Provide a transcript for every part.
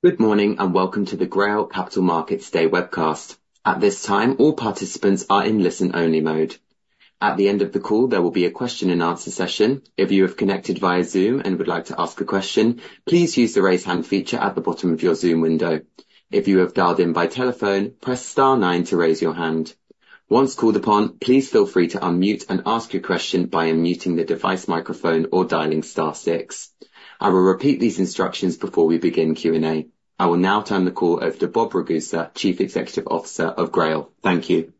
Good morning, and welcome to the GRAIL Capital Markets Day webcast. At this time, all participants are in listen-only mode. At the end of the call, there will be a question and answer session. If you have connected via Zoom and would like to ask a question, please use the Raise Hand feature at the bottom of your Zoom window. If you have dialed in by telephone, press star nine to raise your hand. Once called upon, please feel free to unmute and ask your question by unmuting the device microphone or dialing star six. I will repeat these instructions before we begin Q&A. I will now turn the call over to Bob Ragusa, Chief Executive Officer of GRAIL. Thank you.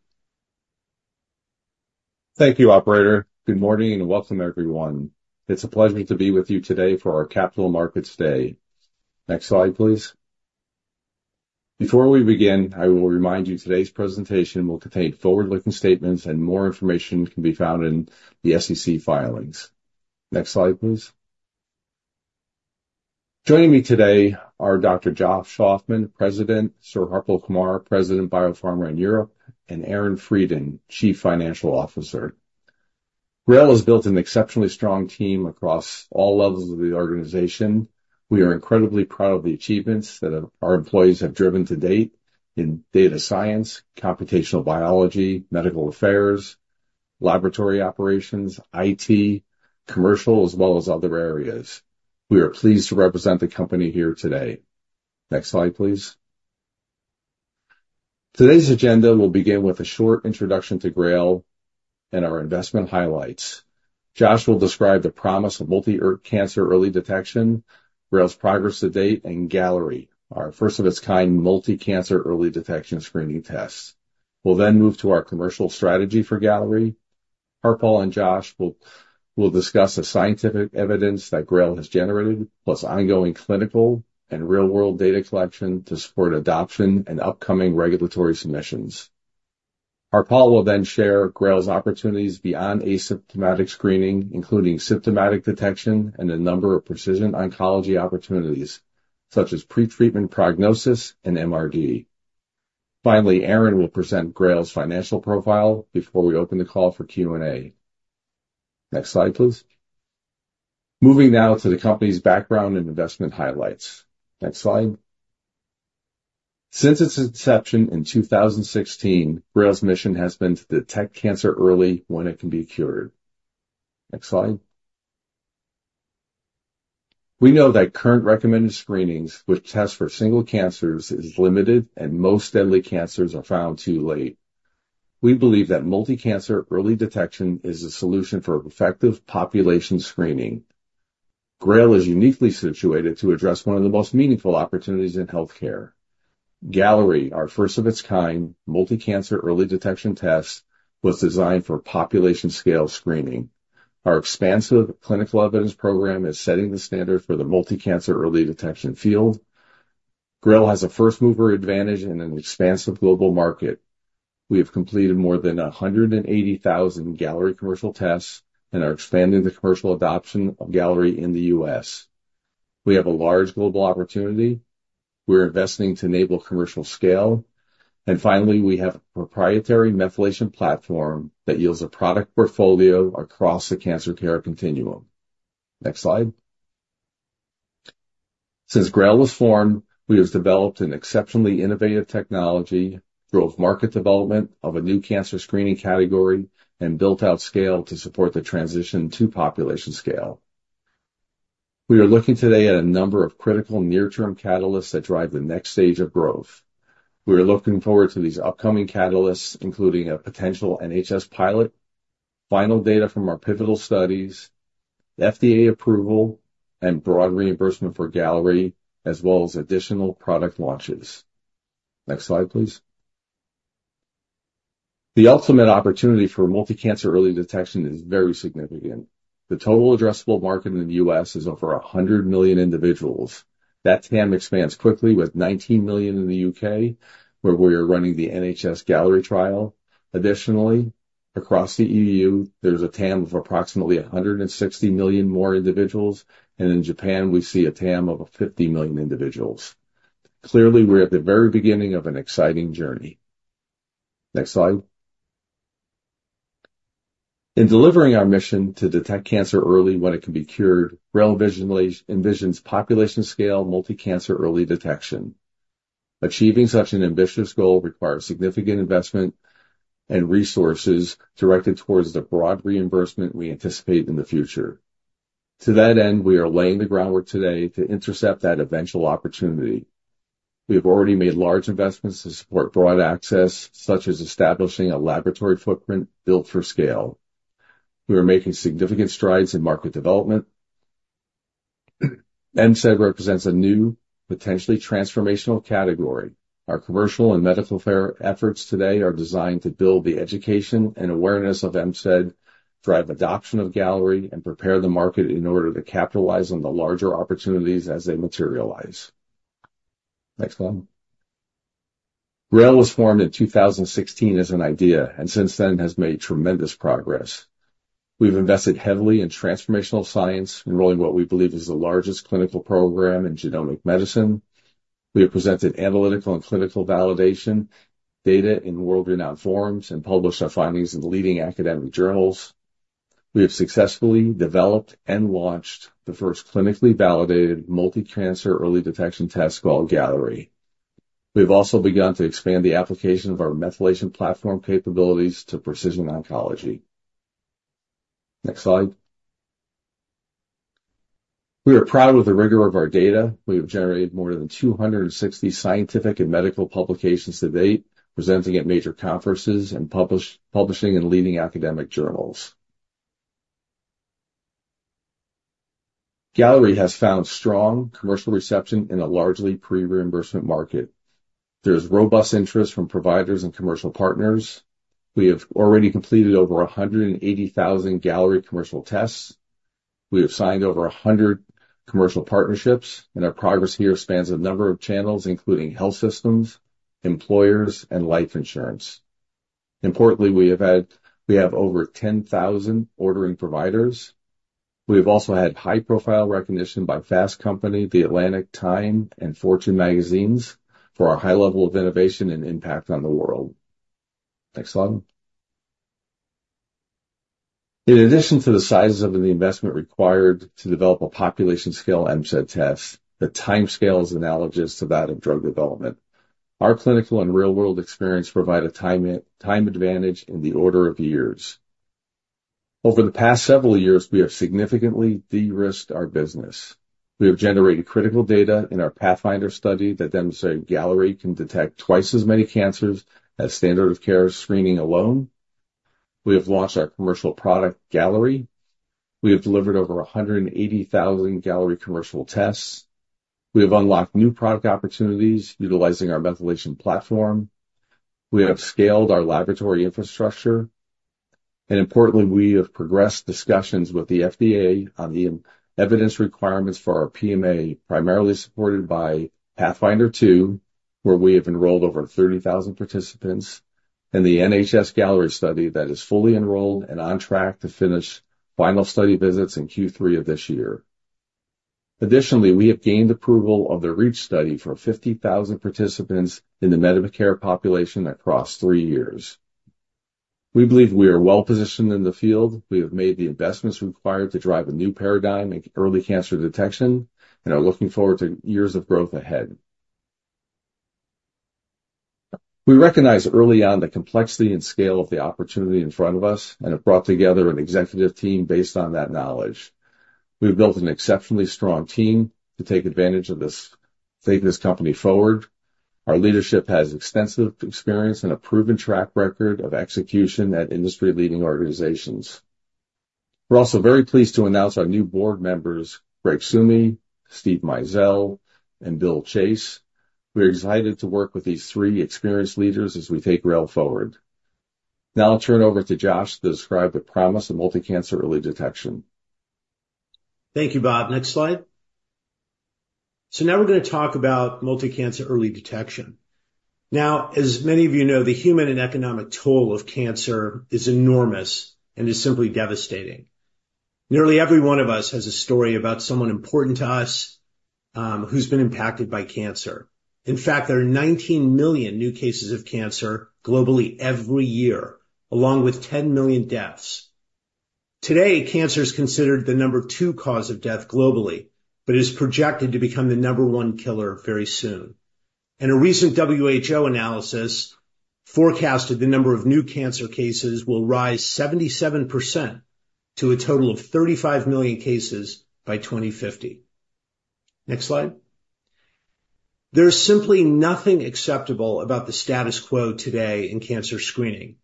Thank you, operator. Good morning, and welcome, everyone. It's a pleasure to be with you today for our Capital Markets Day. Next slide, please. Before we begin, I will remind you today's presentation will contain forward-looking statements and more information can be found in the SEC filings. Next slide, please. Joining me today are Dr. Josh Ofman, President, Sir Harpal Kumar, President, Biopharma and Europe, and Aaron Freidin, Chief Financial Officer. GRAIL has built an exceptionally strong team across all levels of the organization. We are incredibly proud of the achievements that our, our employees have driven to date in data science, computational biology, medical affairs, laboratory operations, IT, commercial, as well as other areas. We are pleased to represent the company here today. Next slide, please. Today's agenda will begin with a short introduction to GRAIL and our investment highlights. Josh will describe the promise of multi-cancer early detection, GRAIL's progress to date, and Galleri, our first of its kind multi-cancer early detection screening test. We'll then move to our commercial strategy for Galleri. Harpal and Josh will discuss the scientific evidence that GRAIL has generated, plus ongoing clinical and real-world data collection to support adoption and upcoming regulatory submissions. Harpal will then share GRAIL's opportunities beyond asymptomatic screening, including symptomatic detection and a number of precision oncology opportunities, such as pretreatment, prognosis, and MRD. Finally, Aaron will present GRAIL's financial profile before we open the call for Q&A. Next slide, please. Moving now to the company's background and investment highlights. Next slide. Since its inception in 2016, GRAIL's mission has been to detect cancer early when it can be cured. Next slide. We know that current recommended screenings, which test for single cancers, is limited and most deadly cancers are found too late. We believe that multi-cancer early detection is a solution for effective population screening. GRAIL is uniquely situated to address one of the most meaningful opportunities in healthcare. Galleri, our first of its kind multi-cancer early detection test, was designed for population scale screening. Our expansive clinical evidence program is setting the standard for the multi-cancer early detection field. GRAIL has a first-mover advantage in an expansive global market. We have completed more than 180,000 Galleri commercial tests and are expanding the commercial adoption of Galleri in the U.S. We have a large global opportunity. We're investing to enable commercial scale. And finally, we have a proprietary methylation platform that yields a product portfolio across the cancer care continuum. Next slide. Since GRAIL was formed, we have developed an exceptionally innovative technology, drove market development of a new cancer screening category, and built out scale to support the transition to population scale. We are looking today at a number of critical near-term catalysts that drive the next stage of growth. We are looking forward to these upcoming catalysts, including a potential NHS pilot, final data from our pivotal studies, FDA approval, and broad reimbursement for Galleri, as well as additional product launches. Next slide, please. The ultimate opportunity for multi-cancer early detection is very significant. The total addressable market in the U.S. is over 100 million individuals. That TAM expands quickly, with 19 million in the U.K., where we are running the NHS Galleri trial. Additionally, across the EU, there's a TAM of approximately 160 million more individuals, and in Japan, we see a TAM of 50 million individuals. Clearly, we're at the very beginning of an exciting journey. Next slide. In delivering our mission to detect cancer early, when it can be cured, GRAIL visually envisions population scale, multi-cancer early detection. Achieving such an ambitious goal requires significant investment and resources directed towards the broad reimbursement we anticipate in the future. To that end, we are laying the groundwork today to intercept that eventual opportunity. We have already made large investments to support broad access, such as establishing a laboratory footprint built for scale. We are making significant strides in market development. MCED represents a new, potentially transformational category. Our commercial and medical affairs efforts today are designed to build the education and awareness of MCED, drive adoption of Galleri, and prepare the market in order to capitalize on the larger opportunities as they materialize. Next one. GRAIL was formed in 2016 as an idea, and since then has made tremendous progress. We've invested heavily in transformational science, enrolling what we believe is the largest clinical program in genomic medicine. We have presented analytical and clinical validation data in world-renowned forums, and published our findings in leading academic journals.... We have successfully developed and launched the first clinically validated multi-cancer early detection test called Galleri. We've also begun to expand the application of our methylation platform capabilities to precision oncology. Next slide. We are proud of the rigor of our data. We have generated more than 260 scientific and medical publications to date, presenting at major conferences and publishing in leading academic journals. Galleri has found strong commercial reception in a largely pre-reimbursement market. There's robust interest from providers and commercial partners. We have already completed over 180,000 Galleri commercial tests. We have signed over 100 commercial partnerships, and our progress here spans a number of channels, including health systems, employers, and life insurance. Importantly, we have over 10,000 ordering providers. We have also had high-profile recognition by Fast Company, The Atlantic, Time, and Fortune magazines for our high level of innovation and impact on the world. Next slide. In addition to the size of the investment required to develop a population-scale MCED test, the timescale is analogous to that of drug development. Our clinical and real-world experience provide a time advantage in the order of years. Over the past several years, we have significantly de-risked our business. We have generated critical data in our PATHFINDER study that demonstrate Galleri can detect twice as many cancers as standard of care screening alone. We have launched our commercial product, Galleri. We have delivered over 180,000 Galleri commercial tests. We have unlocked new product opportunities utilizing our methylation platform. We have scaled our laboratory infrastructure, and importantly, we have progressed discussions with the FDA on the evidence requirements for our PMA, primarily supported by PATHFINDER 2, where we have enrolled over 30,000 participants, and the NHS-Galleri study that is fully enrolled and on track to finish final study visits in Q3 of this year. Additionally, we have gained approval of the REACH study for 50,000 participants in the Medicare population across three years. We believe we are well positioned in the field. We have made the investments required to drive a new paradigm in early cancer detection, and are looking forward to years of growth ahead. We recognized early on the complexity and scale of the opportunity in front of us, and have brought together an executive team based on that knowledge. We've built an exceptionally strong team to take this company forward. Our leadership has extensive experience and a proven track record of execution at industry-leading organizations. We're also very pleased to announce our new board members, Greg Summe, Steve Mizell, and Bill Chase. We are excited to work with these three experienced leaders as we take GRAIL forward. Now I'll turn it over to Josh to describe the promise of multi-cancer early detection. Thank you, Bob. Next slide. So now we're going to talk about multi-cancer early detection. Now, as many of you know, the human and economic toll of cancer is enormous and is simply devastating. Nearly every one of us has a story about someone important to us who's been impacted by cancer. In fact, there are 19 million new cases of cancer globally every year, along with 10 million deaths. Today, cancer is considered the number two cause of death globally, but is projected to become the number one killer very soon. In a recent WHO analysis, forecasted the number of new cancer cases will rise 77% to a total of 35 million cases by 2050. Next slide. There's simply nothing acceptable about the status quo today in cancer screening.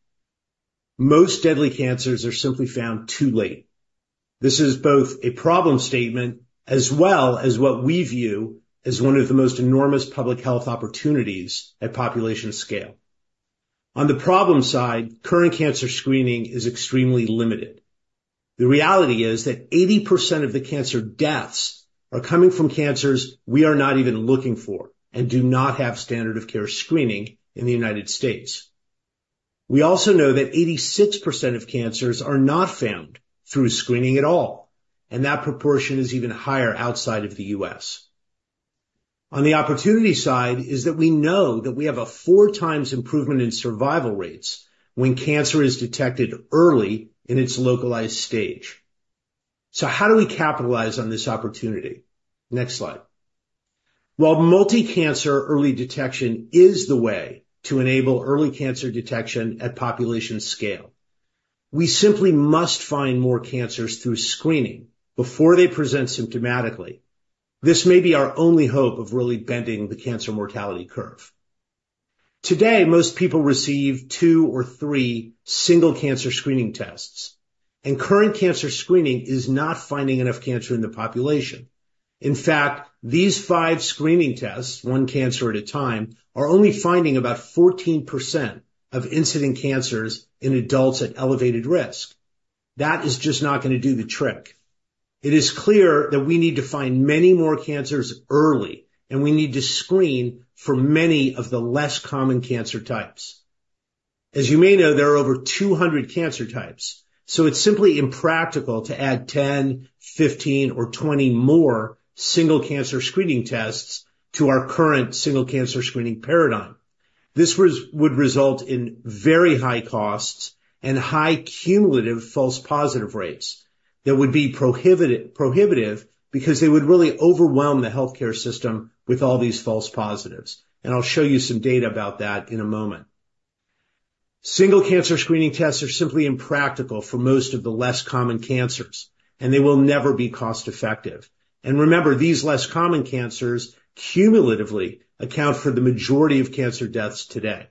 Most deadly cancers are simply found too late. This is both a problem statement as well as what we view as one of the most enormous public health opportunities at population scale. On the problem side, current cancer screening is extremely limited. The reality is that 80% of the cancer deaths are coming from cancers we are not even looking for and do not have standard of care screening in the United States. We also know that 86% of cancers are not found through screening at all, and that proportion is even higher outside of the U.S. On the opportunity side, is that we know that we have a 4 times improvement in survival rates when cancer is detected early in its localized stage. So how do we capitalize on this opportunity? Next slide. While multi-cancer early detection is the way to enable early cancer detection at population scale, we simply must find more cancers through screening before they present symptomatically. This may be our only hope of really bending the cancer mortality curve. Today, most people receive two or three single cancer screening tests, and current cancer screening is not finding enough cancer in the population. In fact, these five screening tests, one cancer at a time, are only finding about 14% of incident cancers in adults at elevated risk. That is just not going to do the trick. It is clear that we need to find many more cancers early, and we need to screen for many of the less common cancer types. As you may know, there are over 200 cancer types, so it's simply impractical to add 10, 15, or 20 more single cancer screening tests to our current single cancer screening paradigm. This would result in very high costs and high cumulative false positive rates that would be prohibitive, prohibitive because they would really overwhelm the healthcare system with all these false positives, and I'll show you some data about that in a moment. Single cancer screening tests are simply impractical for most of the less common cancers, and they will never be cost-effective. And remember, these less common cancers cumulatively account for the majority of cancer deaths today.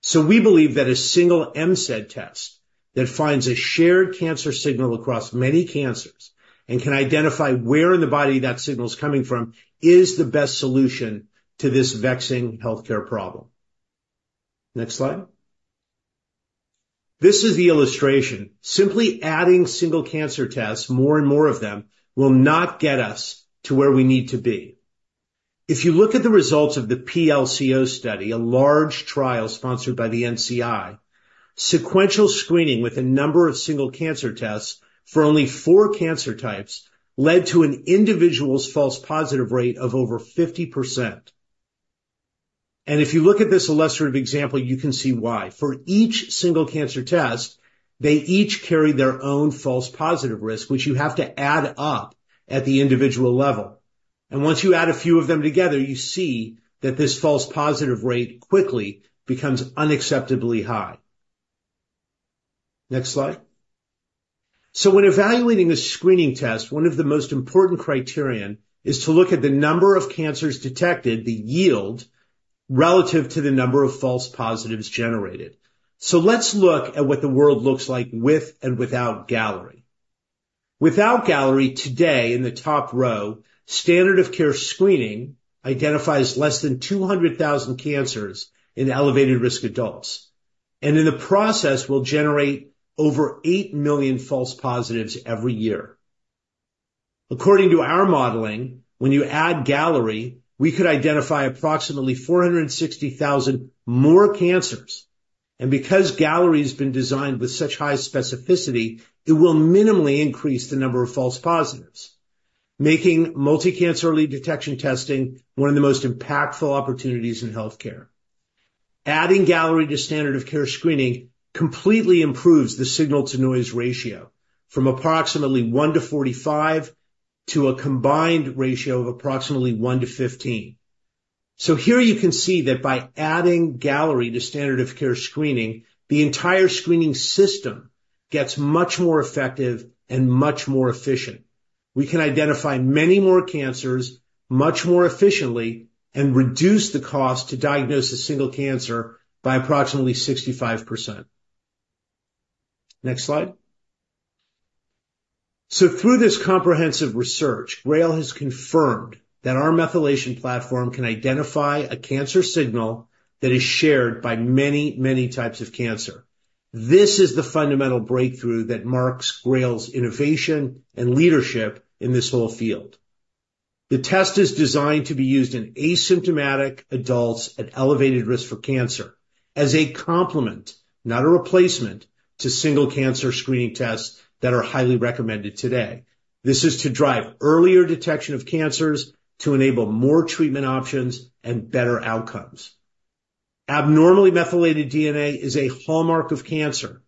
So we believe that a single MCED test that finds a shared cancer signal across many cancers and can identify where in the body that signal is coming from is the best solution to this vexing healthcare problem. Next slide. This is the illustration. Simply adding single cancer tests, more and more of them, will not get us to where we need to be. If you look at the results of the PLCO study, a large trial sponsored by the NCI, sequential screening with a number of single cancer tests for only four cancer types led to an individual's false positive rate of over 50%. If you look at this illustrative example, you can see why. For each single cancer test, they each carry their own false positive risk, which you have to add up at the individual level. Once you add a few of them together, you see that this false positive rate quickly becomes unacceptably high. Next slide. So when evaluating a screening test, one of the most important criterion is to look at the number of cancers detected, the yield, relative to the number of false positives generated. So let's look at what the world looks like with and without Galleri. Without Galleri, today, in the top row, standard of care screening identifies less than 200,000 cancers in elevated-risk adults, and in the process, will generate over 8 million false positives every year. According to our modeling, when you add Galleri, we could identify approximately 460,000 more cancers, and because Galleri's been designed with such high specificity, it will minimally increase the number of false positives, making multi-cancer early detection testing one of the most impactful opportunities in healthcare. Adding Galleri to standard of care screening completely improves the signal-to-noise ratio from approximately 1 to 45 to a combined ratio of approximately 1 to 15. So here you can see that by adding Galleri to standard of care screening, the entire screening system gets much more effective and much more efficient. We can identify many more cancers much more efficiently and reduce the cost to diagnose a single cancer by approximately 65%. Next slide. So through this comprehensive research, GRAIL has confirmed that our methylation platform can identify a cancer signal that is shared by many, many types of cancer. This is the fundamental breakthrough that marks GRAIL's innovation and leadership in this whole field. The test is designed to be used in asymptomatic adults at elevated risk for cancer as a complement, not a replacement, to single cancer screening tests that are highly recommended today. This is to drive earlier detection of cancers, to enable more treatment options and better outcomes. Abnormally methylated DNA is a hallmark of cancer,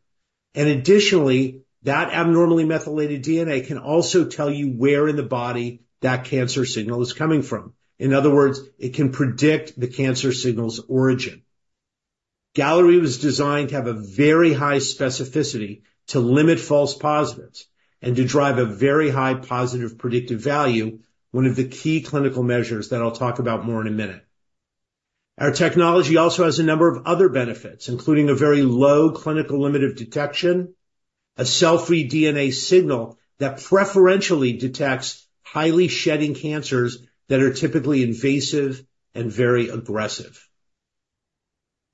and additionally, that abnormally methylated DNA can also tell you where in the body that cancer signal is coming from. In other words, it can predict the cancer signal's origin. Galleri was designed to have a very high specificity to limit false positives and to drive a very high positive predictive value, one of the key clinical measures that I'll talk about more in a minute. Our technology also has a number of other benefits, including a very low clinical limit of detection, a cell-free DNA signal that preferentially detects highly shedding cancers that are typically invasive and very aggressive.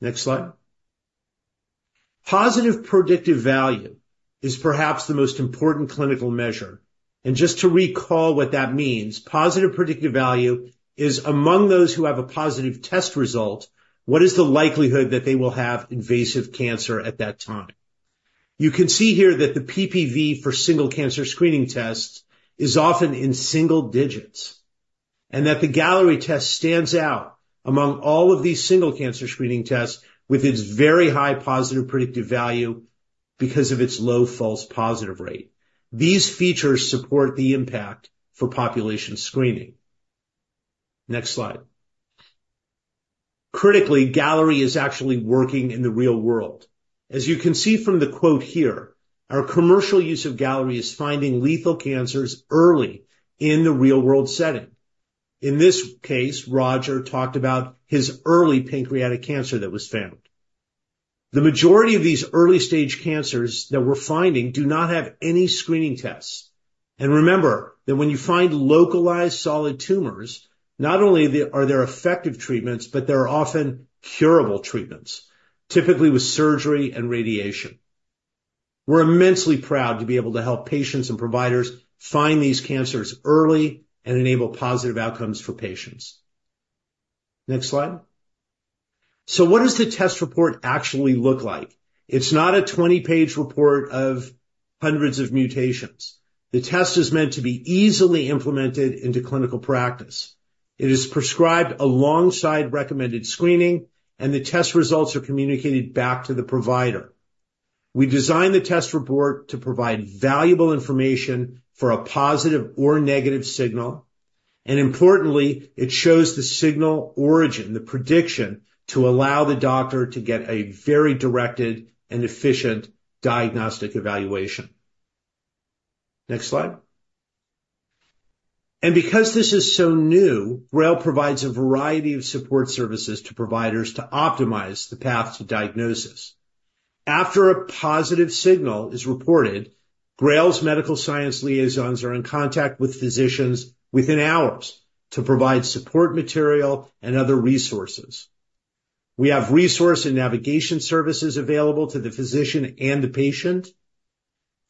Next slide. Positive predictive value is perhaps the most important clinical measure, and just to recall what that means, positive predictive value is, among those who have a positive test result, what is the likelihood that they will have invasive cancer at that time? You can see here that the PPV for single cancer screening tests is often in single digits, and that the Galleri test stands out among all of these single cancer screening tests with its very high positive predictive value because of its low false positive rate. These features support the impact for population screening. Next slide. Critically, Galleri is actually working in the real world. As you can see from the quote here, our commercial use of Galleri is finding lethal cancers early in the real-world setting. In this case, Roger talked about his early pancreatic cancer that was found. The majority of these early-stage cancers that we're finding do not have any screening tests. And remember that when you find localized solid tumors, not only are there effective treatments, but there are often curable treatments, typically with surgery and radiation. We're immensely proud to be able to help patients and providers find these cancers early and enable positive outcomes for patients. Next slide. So what does the test report actually look like? It's not a 20-page report of hundreds of mutations. The test is meant to be easily implemented into clinical practice. It is prescribed alongside recommended screening, and the test results are communicated back to the provider. We designed the test report to provide valuable information for a positive or negative signal, and importantly, it shows the signal origin, the prediction, to allow the doctor to get a very directed and efficient diagnostic evaluation. Next slide. Because this is so new, GRAIL provides a variety of support services to providers to optimize the path to diagnosis. After a positive signal is reported, GRAIL's medical science liaisons are in contact with physicians within hours to provide support material and other resources. We have resource and navigation services available to the physician and the patient.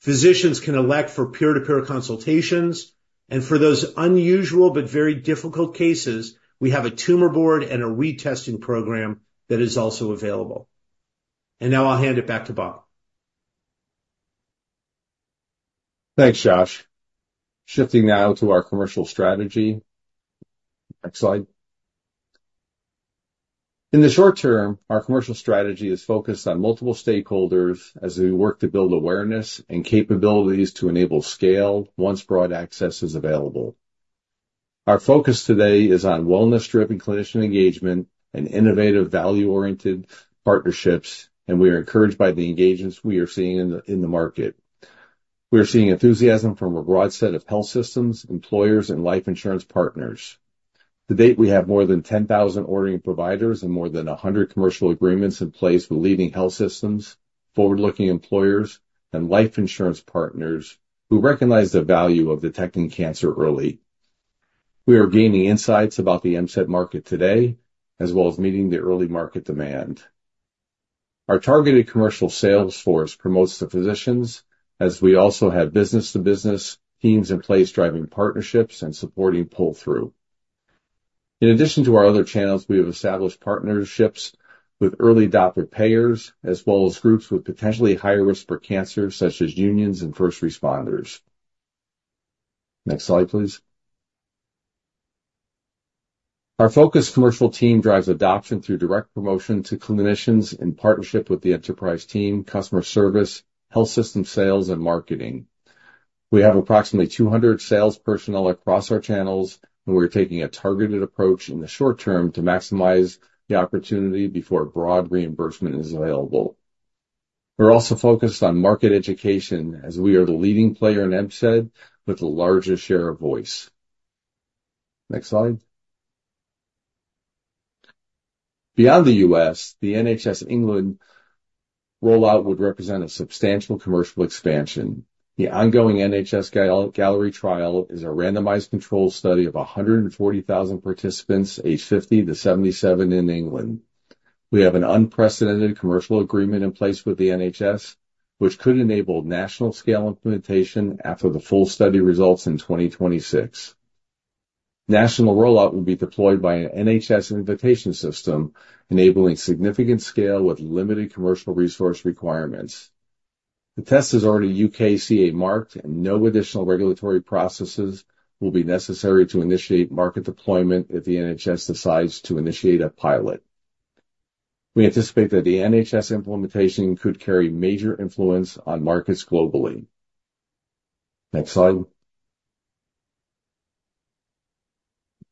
Physicians can elect for peer-to-peer consultations, and for those unusual but very difficult cases, we have a tumor board and a retesting program that is also available. Now I'll hand it back to Bob. Thanks, Josh. Shifting now to our commercial strategy. Next slide. In the short term, our commercial strategy is focused on multiple stakeholders as we work to build awareness and capabilities to enable scale once broad access is available. Our focus today is on wellness-driven clinician engagement and innovative, value-oriented partnerships, and we are encouraged by the engagements we are seeing in the market. We are seeing enthusiasm from a broad set of health systems, employers, and life insurance partners. To date, we have more than 10,000 ordering providers and more than 100 commercial agreements in place with leading health systems, forward-looking employers, and life insurance partners who recognize the value of detecting cancer early. We are gaining insights about the MCED market today, as well as meeting the early market demand. Our targeted commercial sales force promotes the physicians, as we also have business-to-business teams in place, driving partnerships and supporting pull-through. In addition to our other channels, we have established partnerships with early adopter payers, as well as groups with potentially higher risk for cancer, such as unions and first responders. Next slide, please. Our focused commercial team drives adoption through direct promotion to clinicians in partnership with the enterprise team, customer service, health system sales, and marketing. We have approximately 200 sales personnel across our channels, and we're taking a targeted approach in the short term to maximize the opportunity before broad reimbursement is available. We're also focused on market education, as we are the leading player in MCED with the largest share of voice. Next slide. Beyond the U.S., the NHS England rollout would represent a substantial commercial expansion. The ongoing NHS-Galleri trial is a randomized control study of 140,000 participants, aged 50-77 in England. We have an unprecedented commercial agreement in place with the NHS, which could enable national-scale implementation after the full study results in 2026. National rollout will be deployed by an NHS invitation system, enabling significant scale with limited commercial resource requirements. The test is already UKCA marked, and no additional regulatory processes will be necessary to initiate market deployment if the NHS decides to initiate a pilot. We anticipate that the NHS implementation could carry major influence on markets globally. Next slide.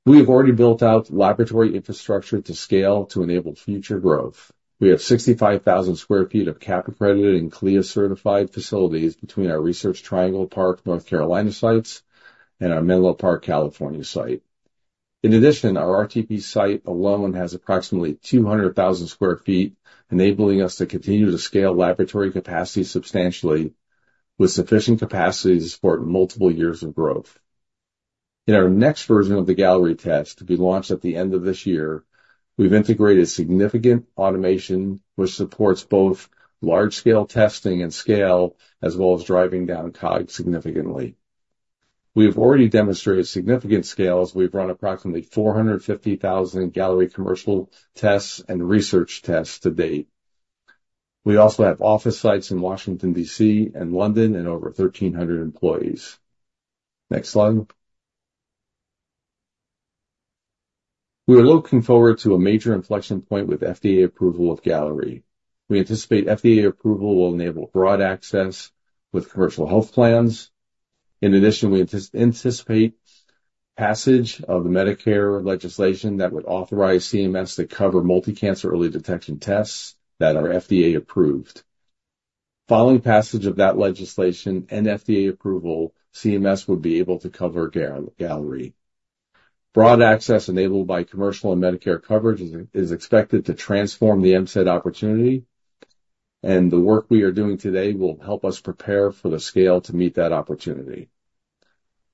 We have already built out laboratory infrastructure to scale to enable future growth. We have 65,000 sq ft of CAP-accredited and CLIA-certified facilities between our Research Triangle Park, North Carolina, sites and our Menlo Park, California, site. In addition, our RTP site alone has approximately 200,000 sq ft, enabling us to continue to scale laboratory capacity substantially with sufficient capacity to support multiple years of growth. In our next version of the Galleri test, to be launched at the end of this year, we've integrated significant automation, which supports both large-scale testing and scale, as well as driving down COGS significantly. We have already demonstrated significant scale, as we've run approximately 450,000 Galleri commercial tests and research tests to date. We also have office sites in Washington, D.C., and London, and over 1,300 employees. Next slide. We are looking forward to a major inflection point with FDA approval of Galleri. We anticipate FDA approval will enable broad access with commercial health plans. In addition, we anticipate passage of the Medicare legislation that would authorize CMS to cover multi-cancer early detection tests that are FDA approved. Following passage of that legislation and FDA approval, CMS would be able to cover Galleri. Broad access enabled by commercial and Medicare coverage is expected to transform the MCED opportunity, and the work we are doing today will help us prepare for the scale to meet that opportunity.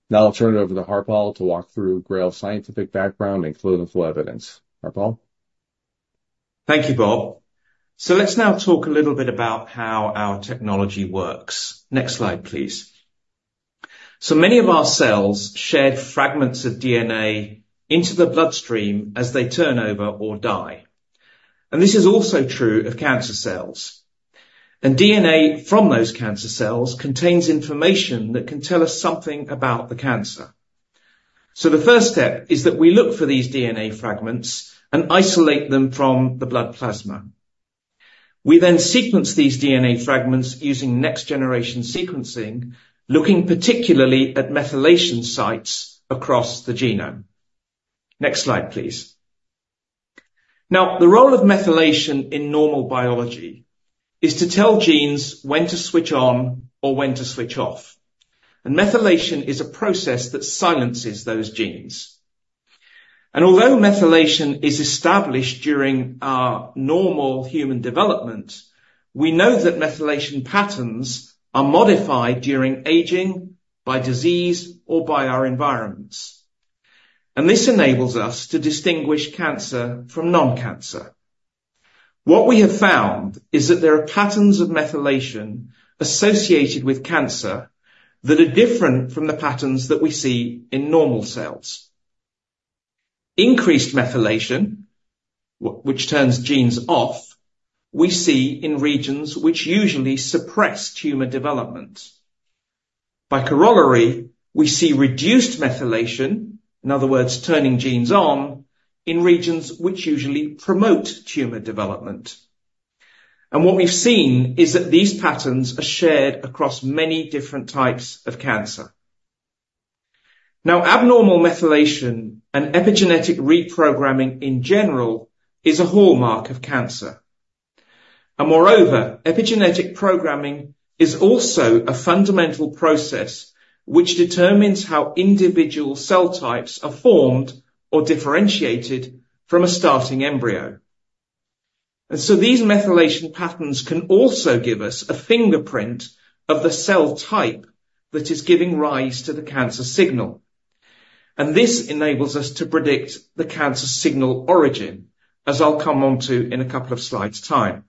Now I'll turn it over to Harpal to walk through GRAIL's scientific background and clinical evidence. Harpal? Thank you, Bob. So let's now talk a little bit about how our technology works. Next slide, please. So many of our cells shed fragments of DNA into the bloodstream as they turn over or die, and this is also true of cancer cells. And DNA from those cancer cells contains information that can tell us something about the cancer. So the first step is that we look for these DNA fragments and isolate them from the blood plasma. We then sequence these DNA fragments using next-generation sequencing, looking particularly at methylation sites across the genome. Next slide, please. Now, the role of methylation in normal biology is to tell genes when to switch on or when to switch off, and methylation is a process that silences those genes. And although methylation is established during normal human development, we know that methylation patterns are modified during aging, by disease, or by our environments, and this enables us to distinguish cancer from non-cancer. What we have found is that there are patterns of methylation associated with cancer that are different from the patterns that we see in normal cells. Increased methylation, which turns genes off, we see in regions which usually suppress tumor development. By corollary, we see reduced methylation, in other words, turning genes on, in regions which usually promote tumor development. And what we've seen is that these patterns are shared across many different types of cancer. Now, abnormal methylation and epigenetic reprogramming, in general, is a hallmark of cancer. And moreover, epigenetic programming is also a fundamental process which determines how individual cell types are formed or differentiated from a starting embryo. And so these methylation patterns can also give us a fingerprint of the cell type that is giving rise to the cancer signal, and this enables us to predict the cancer signal origin, as I'll come onto in a couple of slides' time.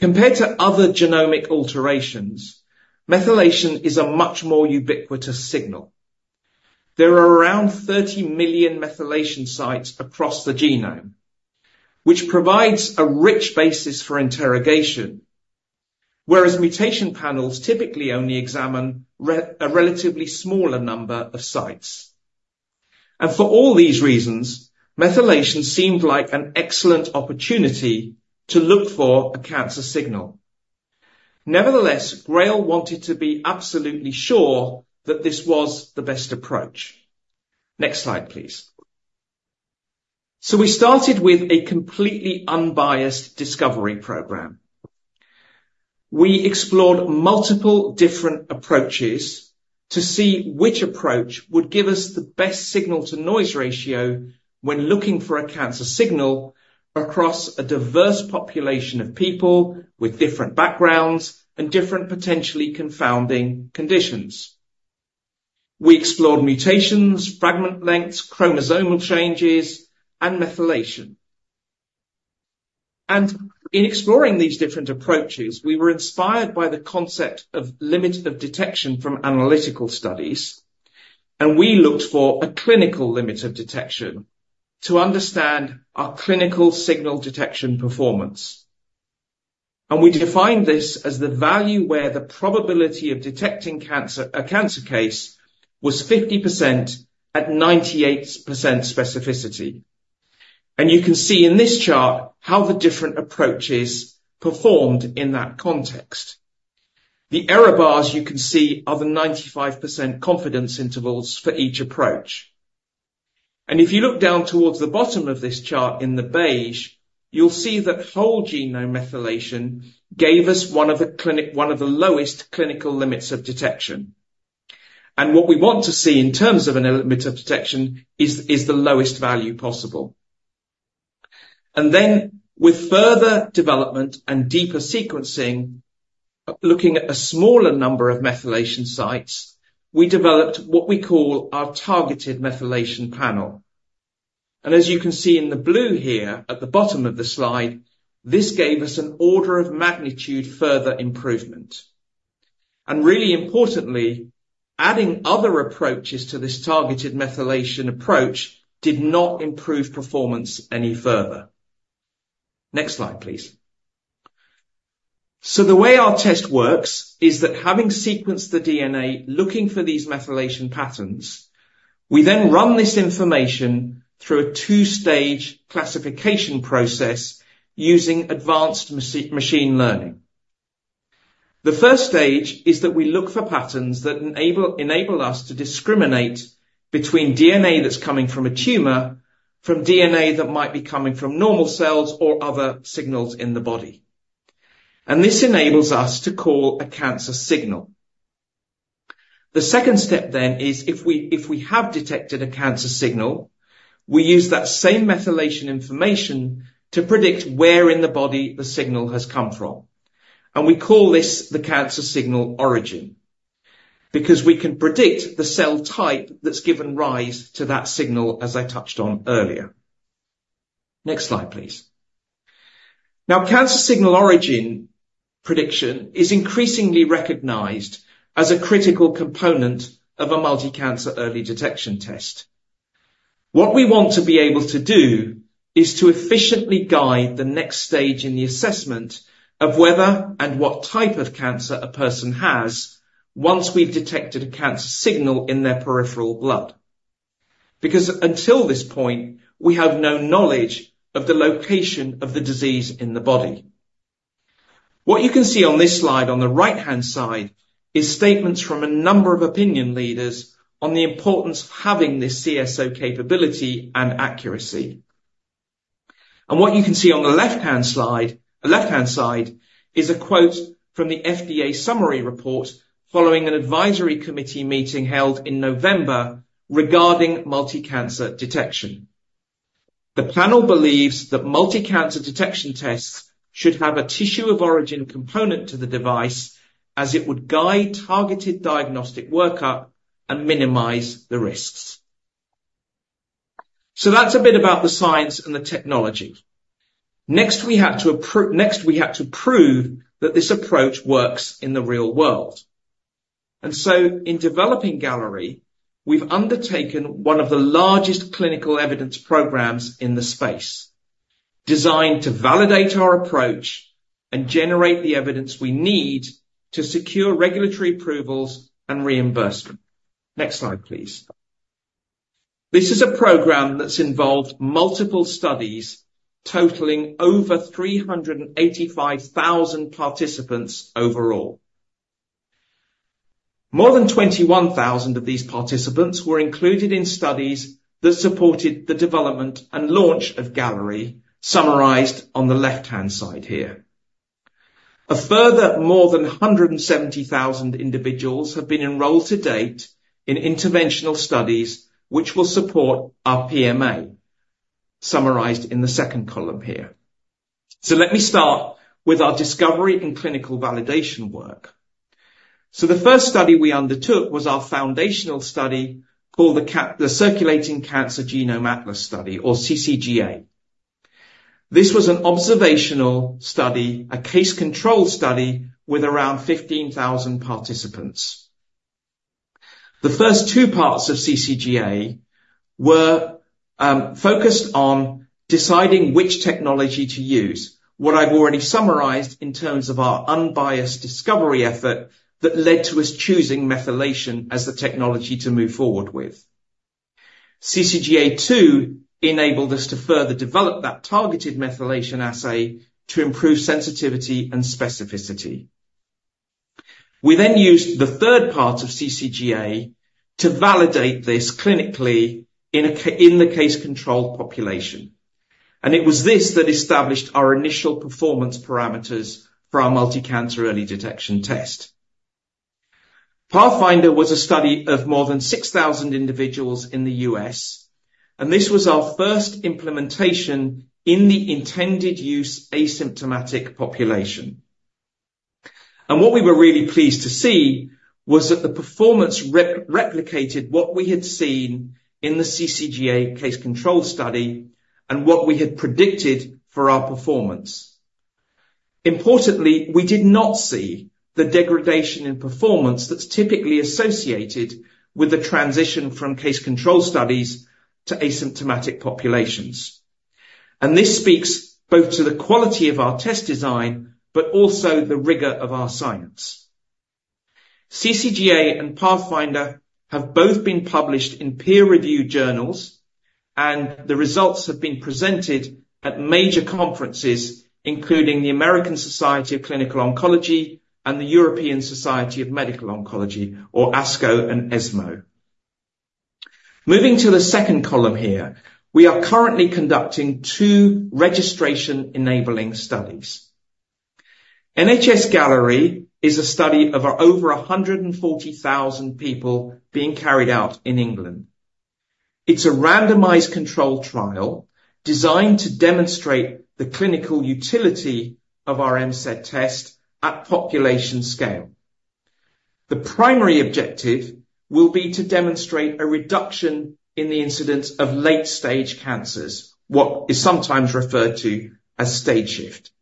Compared to other genomic alterations, methylation is a much more ubiquitous signal. There are around 30 million methylation sites across the genome, which provides a rich basis for interrogation, whereas mutation panels typically only examine a relatively smaller number of sites. And for all these reasons, methylation seemed like an excellent opportunity to look for a cancer signal. Nevertheless, GRAIL wanted to be absolutely sure that this was the best approach. Next slide, please. So we started with a completely unbiased discovery program. We explored multiple different approaches to see which approach would give us the best signal-to-noise ratio when looking for a cancer signal across a diverse population of people with different backgrounds and different potentially confounding conditions. We explored mutations, fragment lengths, chromosomal changes, and methylation. In exploring these different approaches, we were inspired by the concept of limit of detection from analytical studies, and we looked for a clinical limit of detection to understand our clinical signal detection performance. We defined this as the value where the probability of detecting cancer, a cancer case, was 50% at 98% specificity. You can see in this chart how the different approaches performed in that context. The error bars you can see are the 95% confidence intervals for each approach. If you look down towards the bottom of this chart in the beige, you'll see that whole genome methylation gave us one of the lowest clinical limits of detection. What we want to see in terms of a limit of detection is the lowest value possible. Then, with further development and deeper sequencing, looking at a smaller number of methylation sites, we developed what we call our targeted methylation panel. As you can see in the blue here, at the bottom of the slide, this gave us an order of magnitude further improvement. Really importantly, adding other approaches to this targeted methylation approach did not improve performance any further. Next slide, please. So the way our test works is that having sequenced the DNA, looking for these methylation patterns, we then run this information through a two-stage classification process using advanced machine learning. The first stage is that we look for patterns that enable, enable us to discriminate between DNA that's coming from a tumor, from DNA that might be coming from normal cells or other signals in the body, and this enables us to call a cancer signal. The second step then is if we, if we have detected a cancer signal, we use that same methylation information to predict where in the body the signal has come from, and we call this the cancer signal origin, because we can predict the cell type that's given rise to that signal, as I touched on earlier... Next slide, please. Now, cancer signal origin prediction is increasingly recognized as a critical component of a multi-cancer early detection test. What we want to be able to do is to efficiently guide the next stage in the assessment of whether and what type of cancer a person has, once we've detected a cancer signal in their peripheral blood. Because until this point, we have no knowledge of the location of the disease in the body. What you can see on this slide, on the right-hand side, is statements from a number of opinion leaders on the importance of having this CSO capability and accuracy. And what you can see on the left-hand slide, the left-hand side, is a quote from the FDA summary report, following an advisory committee meeting held in November regarding multi-cancer detection. The panel believes that multi-cancer detection tests should have a tissue of origin component to the device, as it would guide targeted diagnostic workup and minimize the risks." So that's a bit about the science and the technology. Next, we have to prove that this approach works in the real world. And so in developing Galleri, we've undertaken one of the largest clinical evidence programs in the space, designed to validate our approach and generate the evidence we need to secure regulatory approvals and reimbursement. Next slide, please. This is a program that's involved multiple studies, totaling over 385,000 participants overall. More than 21,000 of these participants were included in studies that supported the development and launch of Galleri, summarized on the left-hand side here. A further more than 170,000 individuals have been enrolled to date in interventional studies, which will support our PMA, summarized in the second column here. So let me start with our discovery and clinical validation work. So the first study we undertook was our foundational study, called the Circulating Cell-free Genome Atlas study or CCGA. This was an observational study, a case control study with around 15,000 participants. The first two parts of CCGA were focused on deciding which technology to use, what I've already summarized in terms of our unbiased discovery effort that led to us choosing methylation as the technology to move forward with. CCGA 2 enabled us to further develop that targeted methylation assay to improve sensitivity and specificity. We then used the third part of CCGA to validate this clinically in the case-controlled population, and it was this that established our initial performance parameters for our multi-cancer early detection test. PATHFINDER was a study of more than 6,000 individuals in the U.S., and this was our first implementation in the intended use, asymptomatic population. And what we were really pleased to see was that the performance replicated what we had seen in the CCGA case control study, and what we had predicted for our performance. Importantly, we did not see the degradation in performance that's typically associated with the transition from case control studies to asymptomatic populations. And this speaks both to the quality of our test design, but also the rigor of our science. CCGA and PATHFINDER have both been published in peer-reviewed journals, and the results have been presented at major conferences, including the American Society of Clinical Oncology and the European Society for Medical Oncology, or ASCO and ESMO. Moving to the second column here, we are currently conducting two registration-enabling studies. NHS-Galleri is a study of over 140,000 people being carried out in England. It's a randomized controlled trial, designed to demonstrate the clinical utility of our MCED test at population scale. The primary objective will be to demonstrate a reduction in the incidence of late-stage cancers, what is sometimes referred to as stage shift.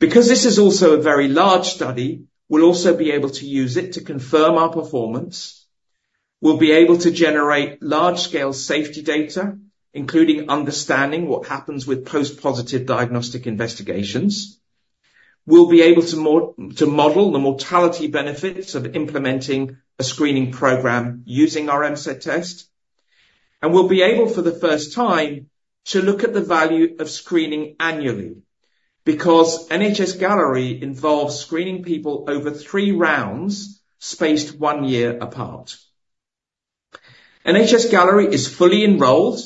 Because this is also a very large study, we'll also be able to use it to confirm our performance. We'll be able to generate large-scale safety data, including understanding what happens with post-positive diagnostic investigations. We'll be able to to model the mortality benefits of implementing a screening program using our MCED test. And we'll be able, for the first time, to look at the value of screening annually, because NHS-Galleri involves screening people over three rounds, spaced one year apart. NHS-Galleri is fully enrolled,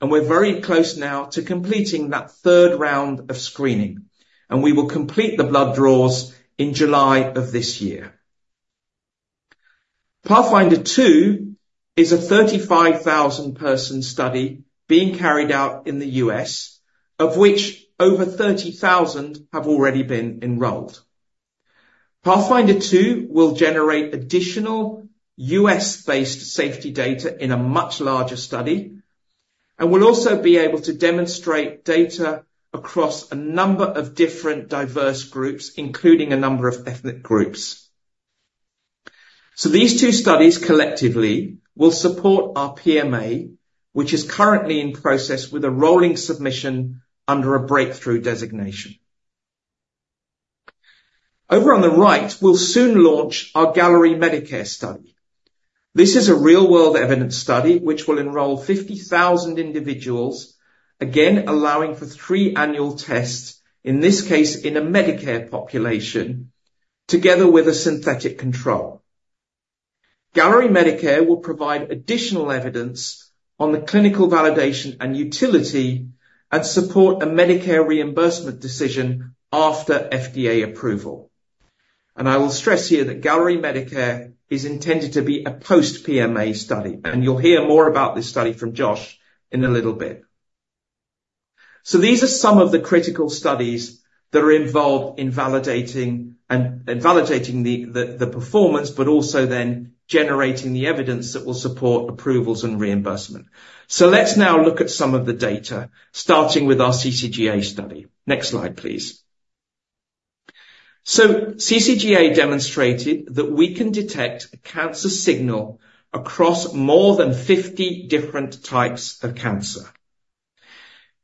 and we're very close now to completing that third round of screening, and we will complete the blood draws in July of this year. PATHFINDER 2 is a 35,000-person study being carried out in the U.S., of which over 30,000 have already been enrolled. PATHFINDER 2 will generate additional U.S.-based safety data in a much larger study, and we'll also be able to demonstrate data across a number of different diverse groups, including a number of ethnic groups. These two studies collectively will support our PMA, which is currently in process with a rolling submission under a breakthrough designation. Over on the right, we'll soon launch our Galleri Medicare study. This is a real-world evidence study which will enroll 50,000 individuals, again, allowing for three annual tests, in this case, in a Medicare population, together with a synthetic control. Galleri Medicare will provide additional evidence on the clinical validation and utility and support a Medicare reimbursement decision after FDA approval. I will stress here that Galleri Medicare is intended to be a post-PMA study, and you'll hear more about this study from Josh in a little bit. These are some of the critical studies that are involved in validating and validating the performance, but also then generating the evidence that will support approvals and reimbursement. So let's now look at some of the data, starting with our CCGA study. Next slide, please. So CCGA demonstrated that we can detect a cancer signal across more than 50 different types of cancer.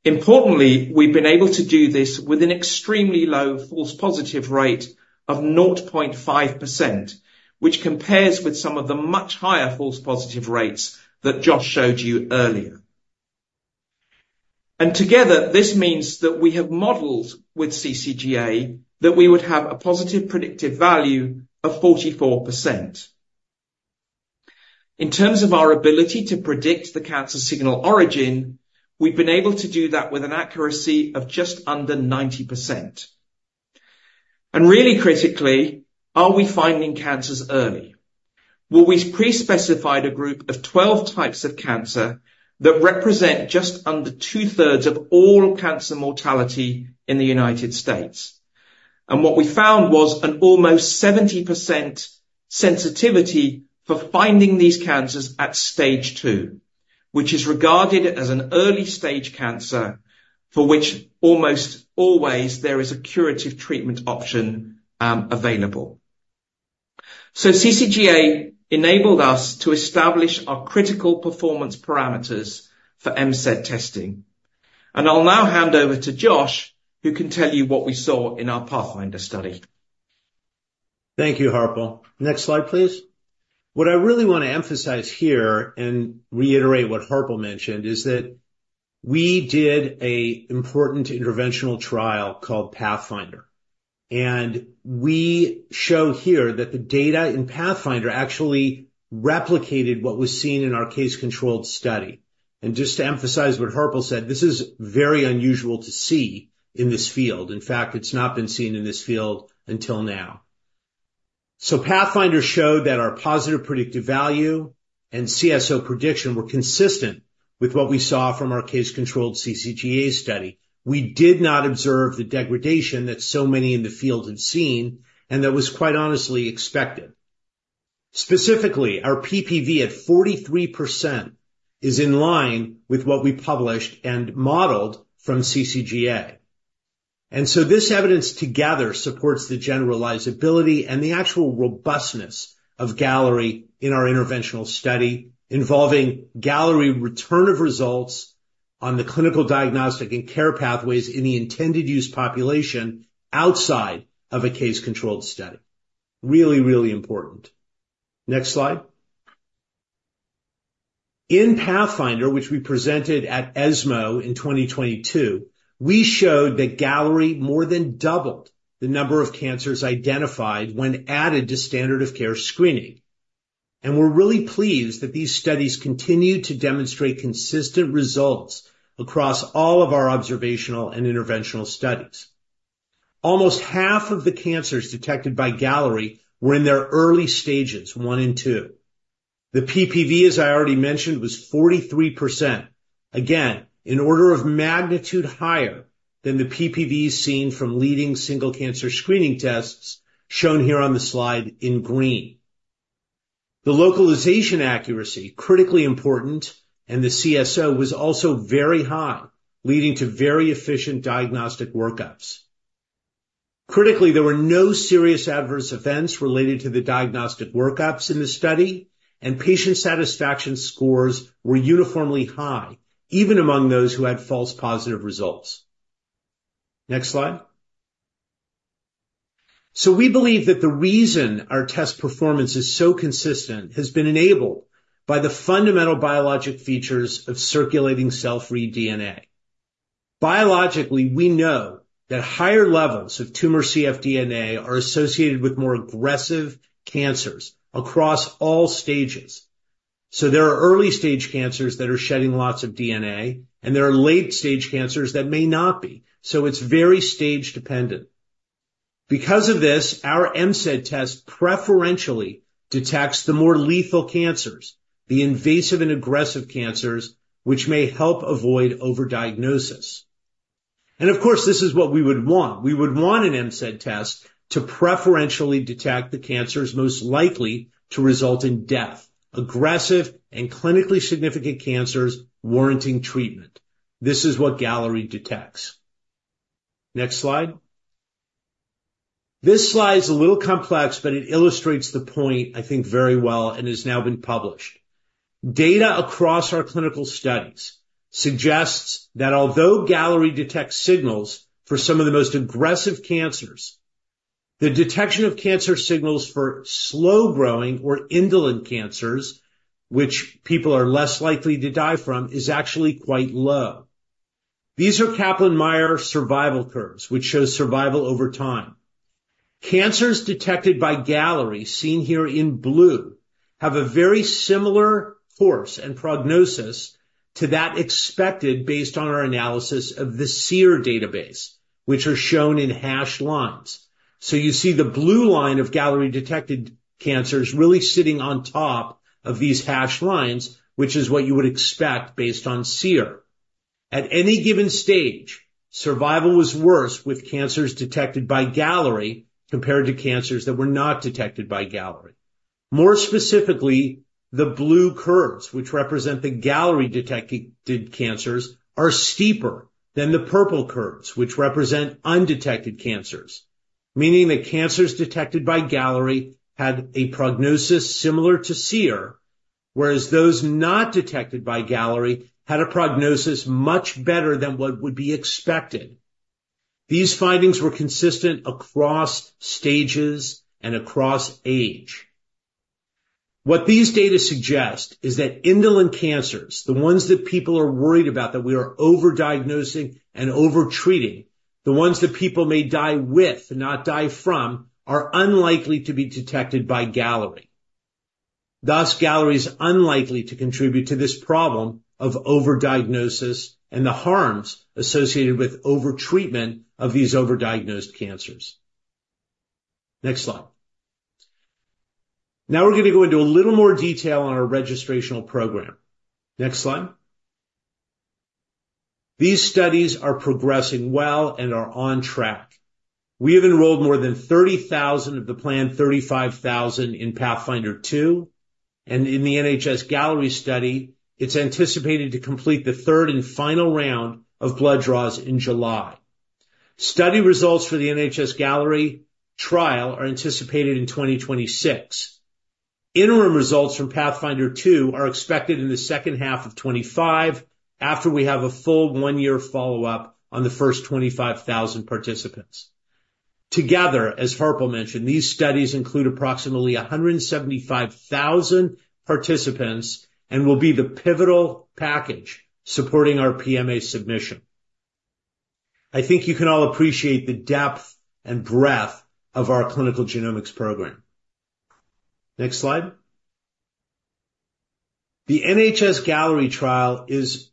Importantly, we've been able to do this with an extremely low false positive rate of 0.5%, which compares with some of the much higher false positive rates that Josh showed you earlier. And together, this means that we have modeled with CCGA that we would have a positive predictive value of 44%. In terms of our ability to predict the cancer signal origin, we've been able to do that with an accuracy of just under 90%. And really critically, are we finding cancers early? Well, we pre-specified a group of 12 types of cancer that represent just under 2/3 of all cancer mortality in the United States. What we found was an almost 70% sensitivity for finding these cancers at stage two, which is regarded as an early-stage cancer, for which almost always there is a curative treatment option, available. CCGA enabled us to establish our critical performance parameters for MCED testing, and I'll now hand over to Josh, who can tell you what we saw in our PATHFINDER study. Thank you, Harpal. Next slide, please. What I really want to emphasize here and reiterate what Harpal mentioned, is that we did an important interventional trial called PATHFINDER, and we show here that the data in PATHFINDER actually replicated what was seen in our case-control study. Just to emphasize what Harpal said, this is very unusual to see in this field. In fact, it's not been seen in this field until now. PATHFINDER showed that our positive predictive value and CSO prediction were consistent with what we saw from our case-control CCGA study. We did not observe the degradation that so many in the field had seen, and that was, quite honestly, expected. Specifically, our PPV at 43% is in line with what we published and modeled from CCGA. And so this evidence together supports the generalizability and the actual robustness of Galleri in our interventional study, involving Galleri return of results on the clinical, diagnostic, and care pathways in the intended use population outside of a case-controlled study. Really, really important. Next slide. In PATHFINDER, which we presented at ESMO in 2022, we showed that Galleri more than doubled the number of cancers identified when added to standard of care screening. And we're really pleased that these studies continue to demonstrate consistent results across all of our observational and interventional studies. Almost half of the cancers detected by Galleri were in their early stages, one and two. The PPV, as I already mentioned, was 43%. Again, an order of magnitude higher than the PPVs seen from leading single cancer screening tests shown here on the slide in green. The localization accuracy, critically important, and the CSO was also very high, leading to very efficient diagnostic workups. Critically, there were no serious adverse events related to the diagnostic workups in the study, and patient satisfaction scores were uniformly high, even among those who had false positive results. Next slide. So we believe that the reason our test performance is so consistent has been enabled by the fundamental biologic features of circulating cell-free DNA. Biologically, we know that higher levels of tumor cfDNA are associated with more aggressive cancers across all stages. So there are early-stage cancers that are shedding lots of DNA, and there are late-stage cancers that may not be. So it's very stage dependent. Because of this, our MCED test preferentially detects the more lethal cancers, the invasive and aggressive cancers, which may help avoid overdiagnosis. And of course, this is what we would want. We would want an MCED test to preferentially detect the cancers most likely to result in death, aggressive and clinically significant cancers warranting treatment. This is what Galleri detects. Next slide. This slide is a little complex, but it illustrates the point, I think, very well and has now been published. Data across our clinical studies suggests that although Galleri detects signals for some of the most aggressive cancers, the detection of cancer signals for slow-growing or indolent cancers, which people are less likely to die from, is actually quite low. These are Kaplan-Meier survival curves, which shows survival over time. Cancers detected by Galleri, seen here in blue, have a very similar course and prognosis to that expected, based on our analysis of the SEER database, which are shown in hashed lines. So you see the blue line of Galleri-detected cancers really sitting on top of these hashed lines, which is what you would expect based on SEER. At any given stage, survival was worse with cancers detected by Galleri compared to cancers that were not detected by Galleri. More specifically, the blue curves, which represent the Galleri-detected cancers, are steeper than the purple curves, which represent undetected cancers, meaning that cancers detected by Galleri had a prognosis similar to SEER, whereas those not detected by Galleri had a prognosis much better than what would be expected. These findings were consistent across stages and across age. What these data suggest is that indolent cancers, the ones that people are worried about, that we are over-diagnosing and over-treating, the ones that people may die with and not die from, are unlikely to be detected by Galleri. Thus, Galleri is unlikely to contribute to this problem of overdiagnosis and the harms associated with overtreatment of these overdiagnosed cancers. Next slide. Now we're going to go into a little more detail on our registrational program. Next slide. These studies are progressing well and are on track. We have enrolled more than 30,000 of the planned 35,000 in PATHFINDER 2, and in the NHS Galleri study, it's anticipated to complete the third and final round of blood draws in July. Study results for the NHS Galleri trial are anticipated in 2026. Interim results from PATHFINDER 2 are expected in the second half of 2025, after we have a full one-year follow-up on the first 25,000 participants. Together, as Harpal mentioned, these studies include approximately 175,000 participants and will be the pivotal package supporting our PMA submission. I think you can all appreciate the depth and breadth of our clinical genomics program. Next slide. The NHS Galleri trial is,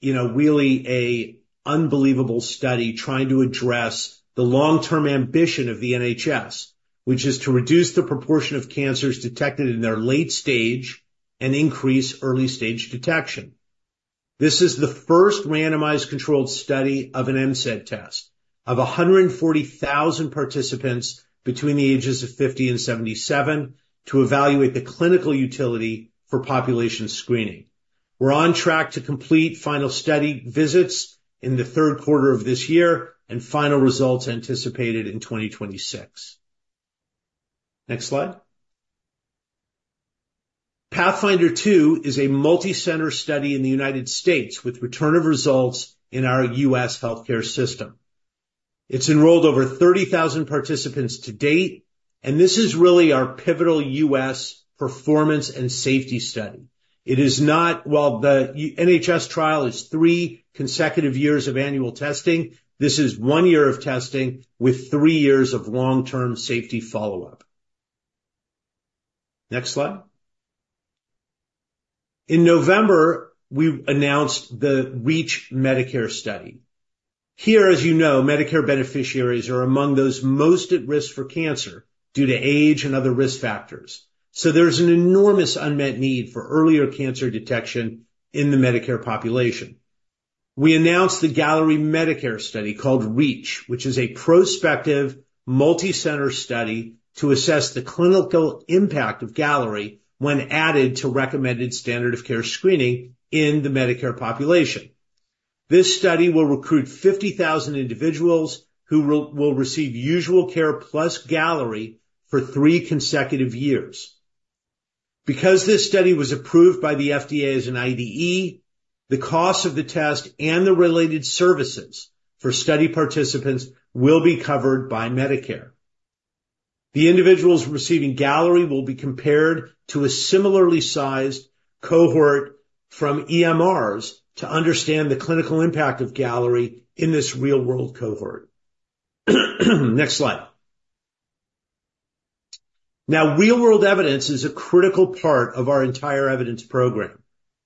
you know, really a unbelievable study trying to address the long-term ambition of the NHS, which is to reduce the proportion of cancers detected in their late stage and increase early-stage detection. This is the first randomized controlled study of an MCED test of 140,000 participants between the ages of 50 and 77 to evaluate the clinical utility for population screening. We're on track to complete final study visits in the third quarter of this year, and final results anticipated in 2026. Next slide. PATHFINDER 2 is a multicenter study in the United States, with return of results in our U.S. healthcare system. It's enrolled over 30,000 participants to date, and this is really our pivotal U.S. performance and safety study. It is not... While the U.K. NHS trial is three consecutive years of annual testing, this is one year of testing with three years of long-term safety follow-up. Next slide. In November, we announced the REACH Medicare study. Here, as you know, Medicare beneficiaries are among those most at risk for cancer due to age and other risk factors. So there's an enormous unmet need for earlier cancer detection in the Medicare population. We announced the Galleri Medicare study, called REACH, which is a prospective, multicenter study to assess the clinical impact of Galleri when added to recommended standard of care screening in the Medicare population. This study will recruit 50,000 individuals who will receive usual care, plus Galleri for three consecutive years. Because this study was approved by the FDA as an IDE, the cost of the test and the related services for study participants will be covered by Medicare. The individuals receiving Galleri will be compared to a similarly sized cohort from EMRs to understand the clinical impact of Galleri in this real-world cohort. Next slide. Now, real-world evidence is a critical part of our entire evidence program.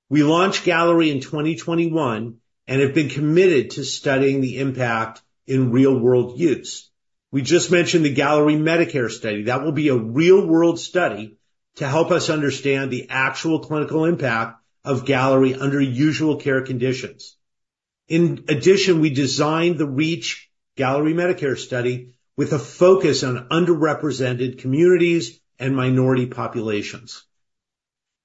We launched Galleri in 2021 and have been committed to studying the impact in real-world use. We just mentioned the Galleri Medicare study. That will be a real-world study to help us understand the actual clinical impact of Galleri under usual care conditions. In addition, we designed the REACH Galleri Medicare study with a focus on underrepresented communities and minority populations.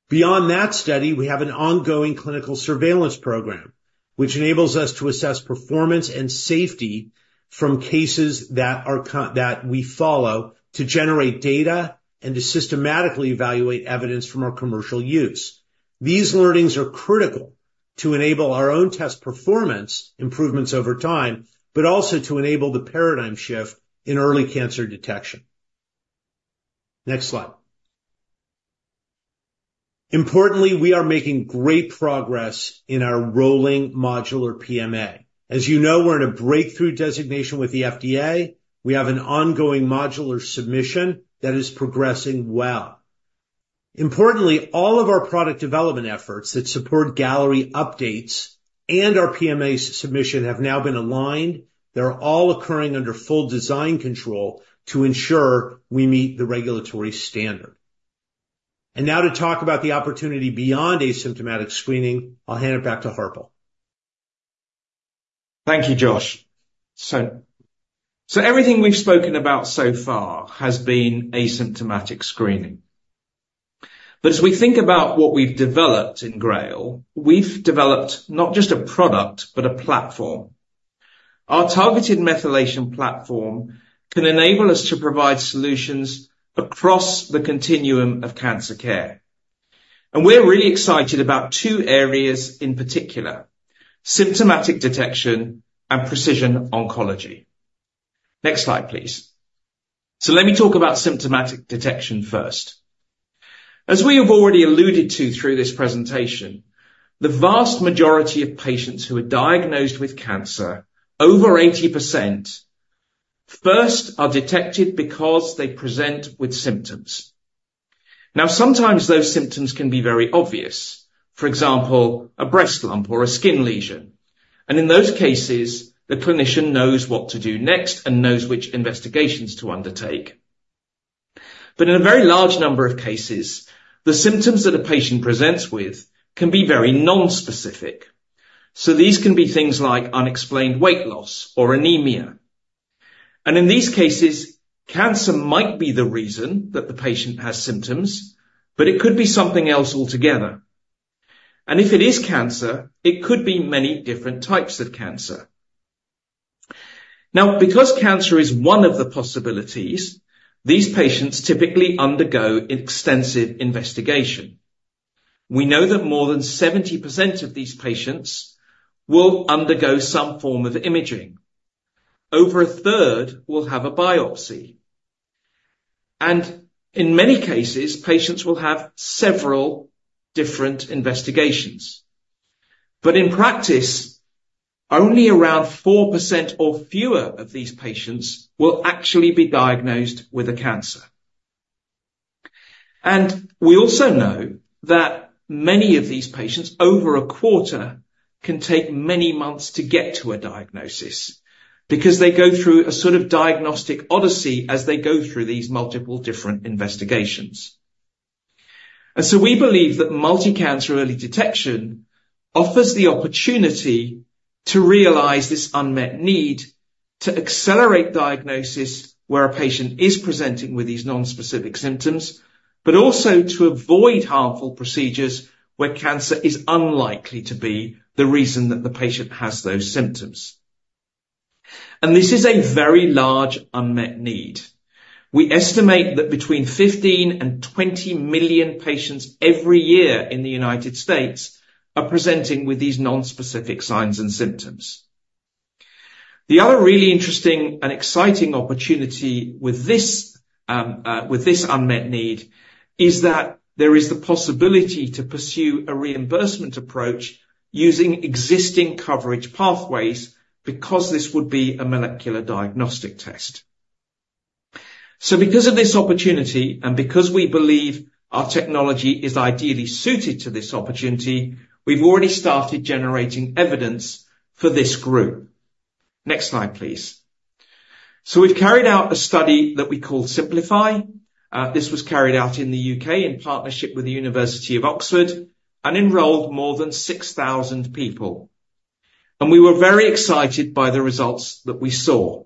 Beyond that study, we have an ongoing clinical surveillance program, which enables us to assess performance and safety from cases that we follow, to generate data and to systematically evaluate evidence from our commercial use. These learnings are critical to enable our own test performance improvements over time, but also to enable the paradigm shift in early cancer detection. Next slide. Importantly, we are making great progress in our rolling modular PMA. As you know, we're in a breakthrough designation with the FDA. We have an ongoing modular submission that is progressing well. Importantly, all of our product development efforts that support Galleri updates and our PMA submission have now been aligned. They're all occurring under full design control to ensure we meet the regulatory standard. And now to talk about the opportunity beyond asymptomatic screening, I'll hand it back to Harpal. Thank you, Josh. So everything we've spoken about so far has been asymptomatic screening. But as we think about what we've developed in GRAIL, we've developed not just a product, but a platform. Our targeted methylation platform can enable us to provide solutions across the continuum of cancer care. And we're really excited about two areas, in particular, symptomatic detection and precision oncology. Next slide, please. So let me talk about symptomatic detection first. As we have already alluded to through this presentation, the vast majority of patients who are diagnosed with cancer, over 80%, first are detected because they present with symptoms. Now, sometimes those symptoms can be very obvious, for example, a breast lump or a skin lesion, and in those cases, the clinician knows what to do next and knows which investigations to undertake. But in a very large number of cases, the symptoms that a patient presents with can be very nonspecific. So these can be things like unexplained weight loss or anemia, and in these cases, cancer might be the reason that the patient has symptoms, but it could be something else altogether. And if it is cancer, it could be many different types of cancer. Now, because cancer is one of the possibilities, these patients typically undergo extensive investigation. We know that more than 70% of these patients will undergo some form of imaging. Over a third will have a biopsy, and in many cases, patients will have several different investigations. But in practice, only around 4% or fewer of these patients will actually be diagnosed with a cancer. We also know that many of these patients, over a quarter, can take many months to get to a diagnosis, because they go through a sort of diagnostic odyssey as they go through these multiple different investigations. So we believe that multi-cancer early detection offers the opportunity to realize this unmet need to accelerate diagnosis where a patient is presenting with these nonspecific symptoms, but also to avoid harmful procedures where cancer is unlikely to be the reason that the patient has those symptoms. This is a very large unmet need. We estimate that between 15 and 20 million patients every year in the United States are presenting with these nonspecific signs and symptoms. The other really interesting and exciting opportunity with this, with this unmet need, is that there is the possibility to pursue a reimbursement approach using existing coverage pathways, because this would be a molecular diagnostic test. So because of this opportunity, and because we believe our technology is ideally suited to this opportunity, we've already started generating evidence for this group. Next slide, please. So we've carried out a study that we call SYMPLIFY. This was carried out in the U.K. in partnership with the University of Oxford and enrolled more than 6,000 people. And we were very excited by the results that we saw.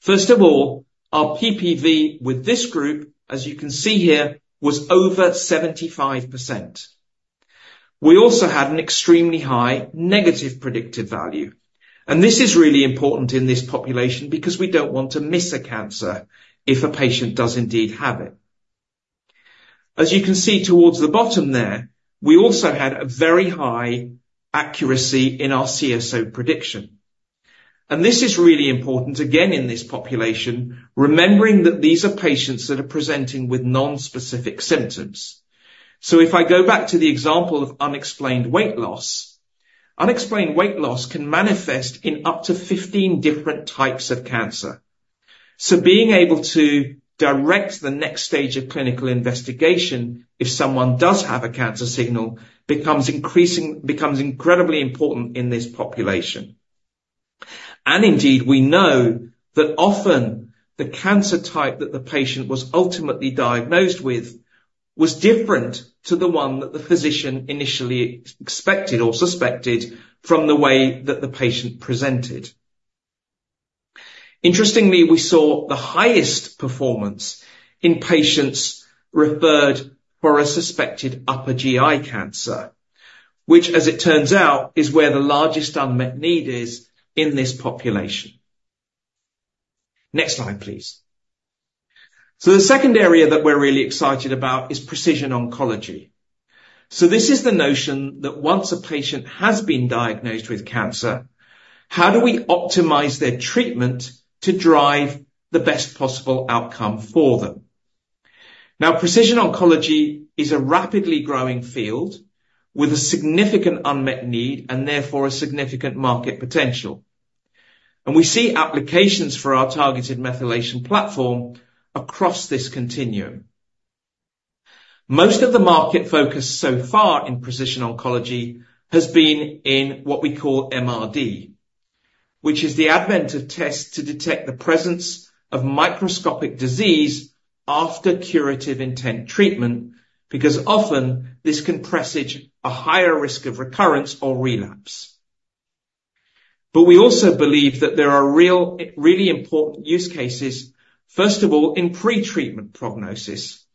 First of all, our PPV with this group, as you can see here, was over 75%. We also had an extremely high negative predictive value, and this is really important in this population because we don't want to miss a cancer if a patient does indeed have it. As you can see towards the bottom there, we also had a very high accuracy in our CSO prediction, and this is really important, again, in this population, remembering that these are patients that are presenting with nonspecific symptoms. So if I go back to the example of unexplained weight loss, unexplained weight loss can manifest in up to 15 different types of cancer. So being able to direct the next stage of clinical investigation, if someone does have a cancer signal, becomes incredibly important in this population.... Indeed, we know that often the cancer type that the patient was ultimately diagnosed with was different to the one that the physician initially expected or suspected from the way that the patient presented. Interestingly, we saw the highest performance in patients referred for a suspected upper GI cancer, which, as it turns out, is where the largest unmet need is in this population. Next slide, please. The second area that we're really excited about is precision oncology. This is the notion that once a patient has been diagnosed with cancer, how do we optimize their treatment to drive the best possible outcome for them? Now, precision oncology is a rapidly growing field with a significant unmet need and therefore a significant market potential. We see applications for our targeted methylation platform across this continuum. Most of the market focus so far in precision oncology has been in what we call MRD, which is the advent of tests to detect the presence of microscopic disease after curative intent treatment, because often this can presage a higher risk of recurrence or relapse. But we also believe that there are real, really important use cases, first of all, in pre-treatment prognosis,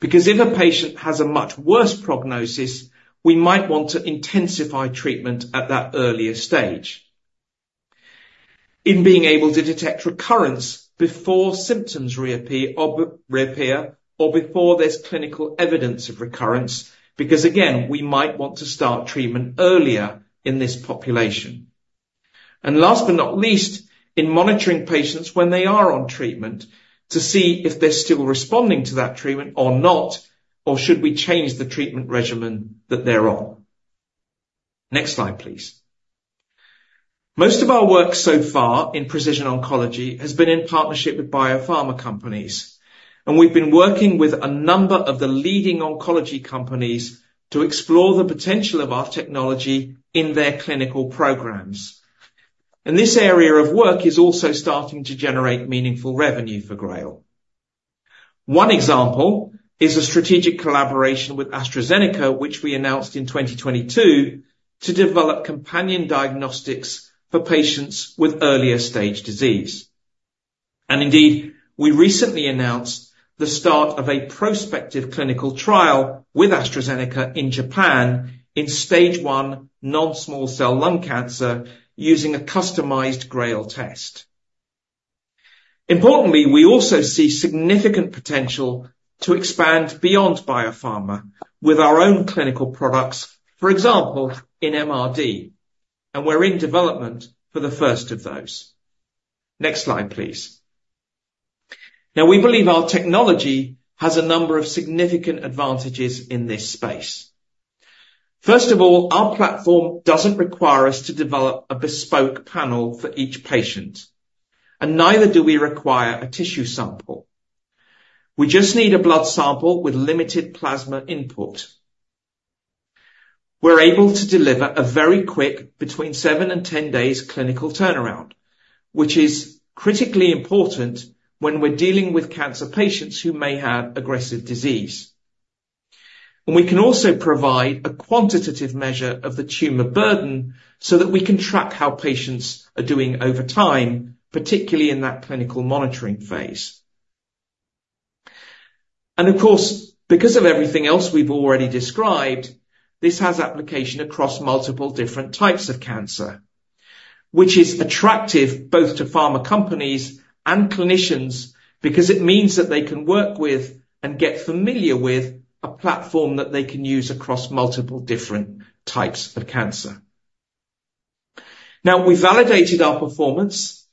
because if a patient has a much worse prognosis, we might want to intensify treatment at that earlier stage. In being able to detect recurrence before symptoms reappear or reappear, or before there's clinical evidence of recurrence, because again, we might want to start treatment earlier in this population. And last but not least, in monitoring patients when they are on treatment, to see if they're still responding to that treatment or not, or should we change the treatment regimen that they're on? Next slide, please. Most of our work so far in precision oncology has been in partnership with biopharma companies, and we've been working with a number of the leading oncology companies to explore the potential of our technology in their clinical programs. This area of work is also starting to generate meaningful revenue for GRAIL. One example is a strategic collaboration with AstraZeneca, which we announced in 2022, to develop companion diagnostics for patients with earlier stage disease. Indeed, we recently announced the start of a prospective clinical trial with AstraZeneca in Japan in stage one, non-small cell lung cancer, using a customized GRAIL test. Importantly, we also see significant potential to expand beyond biopharma with our own clinical products, for example, in MRD, and we're in development for the first of those. Next slide, please. Now, we believe our technology has a number of significant advantages in this space. First of all, our platform doesn't require us to develop a bespoke panel for each patient, and neither do we require a tissue sample. We just need a blood sample with limited plasma input. We're able to deliver a very quick, between seven and 10 days, clinical turnaround, which is critically important when we're dealing with cancer patients who may have aggressive disease. And we can also provide a quantitative measure of the tumor burden so that we can track how patients are doing over time, particularly in that clinical monitoring phase. Of course, because of everything else we've already described, this has application across multiple different types of cancer, which is attractive both to pharma companies and clinicians, because it means that they can work with and get familiar with a platform that they can use across multiple different types of cancer. Now, we validated our performance,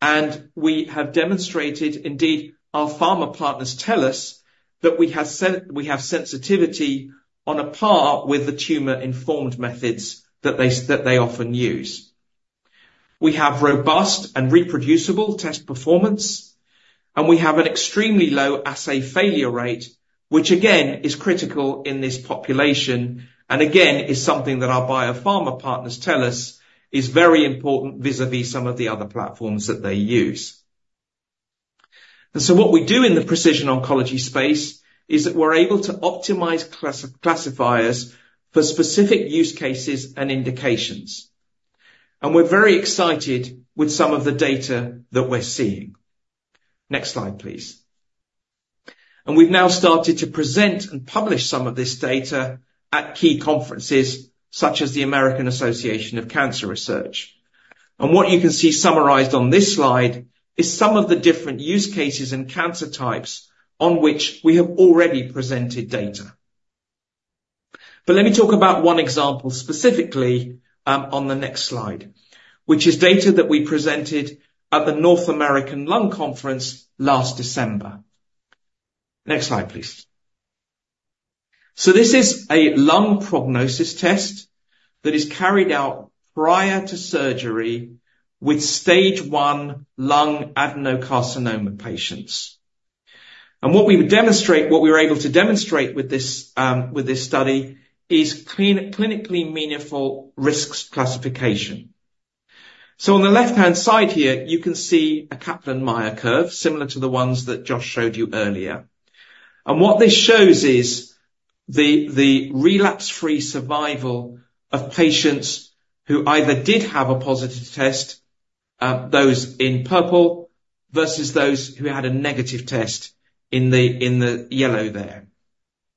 and we have demonstrated, indeed, our pharma partners tell us that we have sensitivity on a par with the tumor-informed methods that they, that they often use. We have robust and reproducible test performance, and we have an extremely low assay failure rate, which again, is critical in this population, and again, is something that our biopharma partners tell us is very important vis-à-vis some of the other platforms that they use. What we do in the precision oncology space is that we're able to optimize classifiers for specific use cases and indications. We're very excited with some of the data that we're seeing. Next slide, please. We've now started to present and publish some of this data at key conferences such as the American Association for Cancer Research. What you can see summarized on this slide is some of the different use cases and cancer types on which we have already presented data. But let me talk about one example, specifically, on the next slide, which is data that we presented at the North American Lung Conference last December. Next slide, please. So this is a lung prognosis test that is carried out prior to surgery with stage one lung adenocarcinoma patients. What we would demonstrate, what we were able to demonstrate with this study, is clinically meaningful risk classification. So on the left-hand side here, you can see a Kaplan-Meier curve, similar to the ones that Josh showed you earlier. What this shows is the relapse-free survival of patients who either did have a positive test, those in purple, versus those who had a negative test in the yellow there.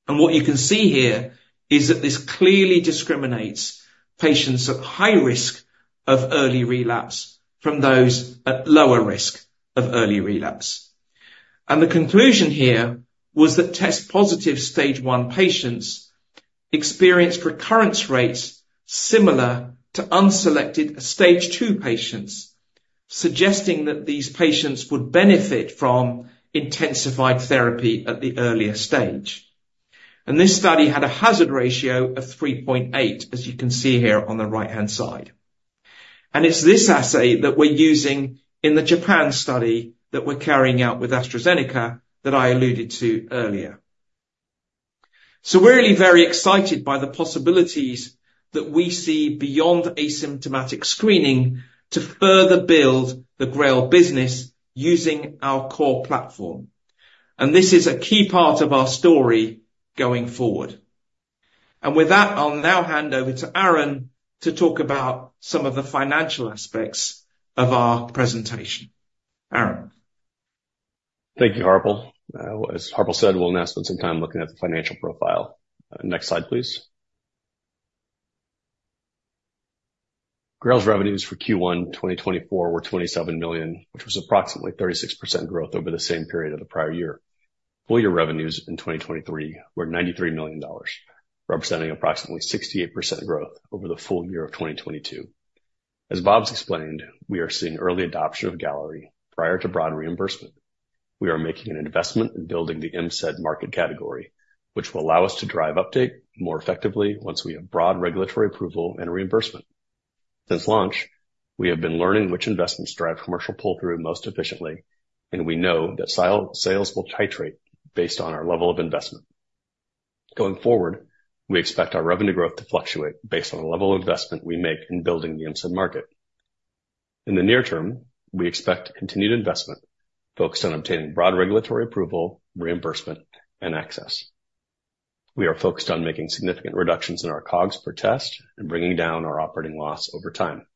What you can see here is that this clearly discriminates patients at high risk of early relapse from those at lower risk of early relapse. The conclusion here was that test positive stage one patients experienced recurrence rates similar to unselected stage two patients, suggesting that these patients would benefit from intensified therapy at the earlier stage. This study had a hazard ratio of 3.8, as you can see here on the right-hand side. And it's this assay that we're using in the Japan study that we're carrying out with AstraZeneca, that I alluded to earlier. So we're really very excited by the possibilities that we see beyond asymptomatic screening to further build the GRAIL business using our core platform. And this is a key part of our story going forward. And with that, I'll now hand over to Aaron to talk about some of the financial aspects of our presentation. Aaron? Thank you, Harpal. As Harpal said, we'll now spend some time looking at the financial profile. Next slide, please. GRAIL's revenues for Q1 2024 were $27 million, which was approximately 36% growth over the same period of the prior year. Full year revenues in 2023 were $93 million, representing approximately 68% growth over the full year of 2022. As Bob's explained, we are seeing early adoption of Galleri prior to broad reimbursement. We are making an investment in building the MCED market category, which will allow us to drive uptake more effectively once we have broad regulatory approval and reimbursement. Since launch, we have been learning which investments drive commercial pull-through most efficiently, and we know that sale, sales will titrate based on our level of investment. Going forward, we expect our revenue growth to fluctuate based on the level of investment we make in building the MCED market. In the near term, we expect continued investment focused on obtaining broad regulatory approval, reimbursement, and access. We are focused on making significant reductions in our COGS per test and bringing down our operating loss over time.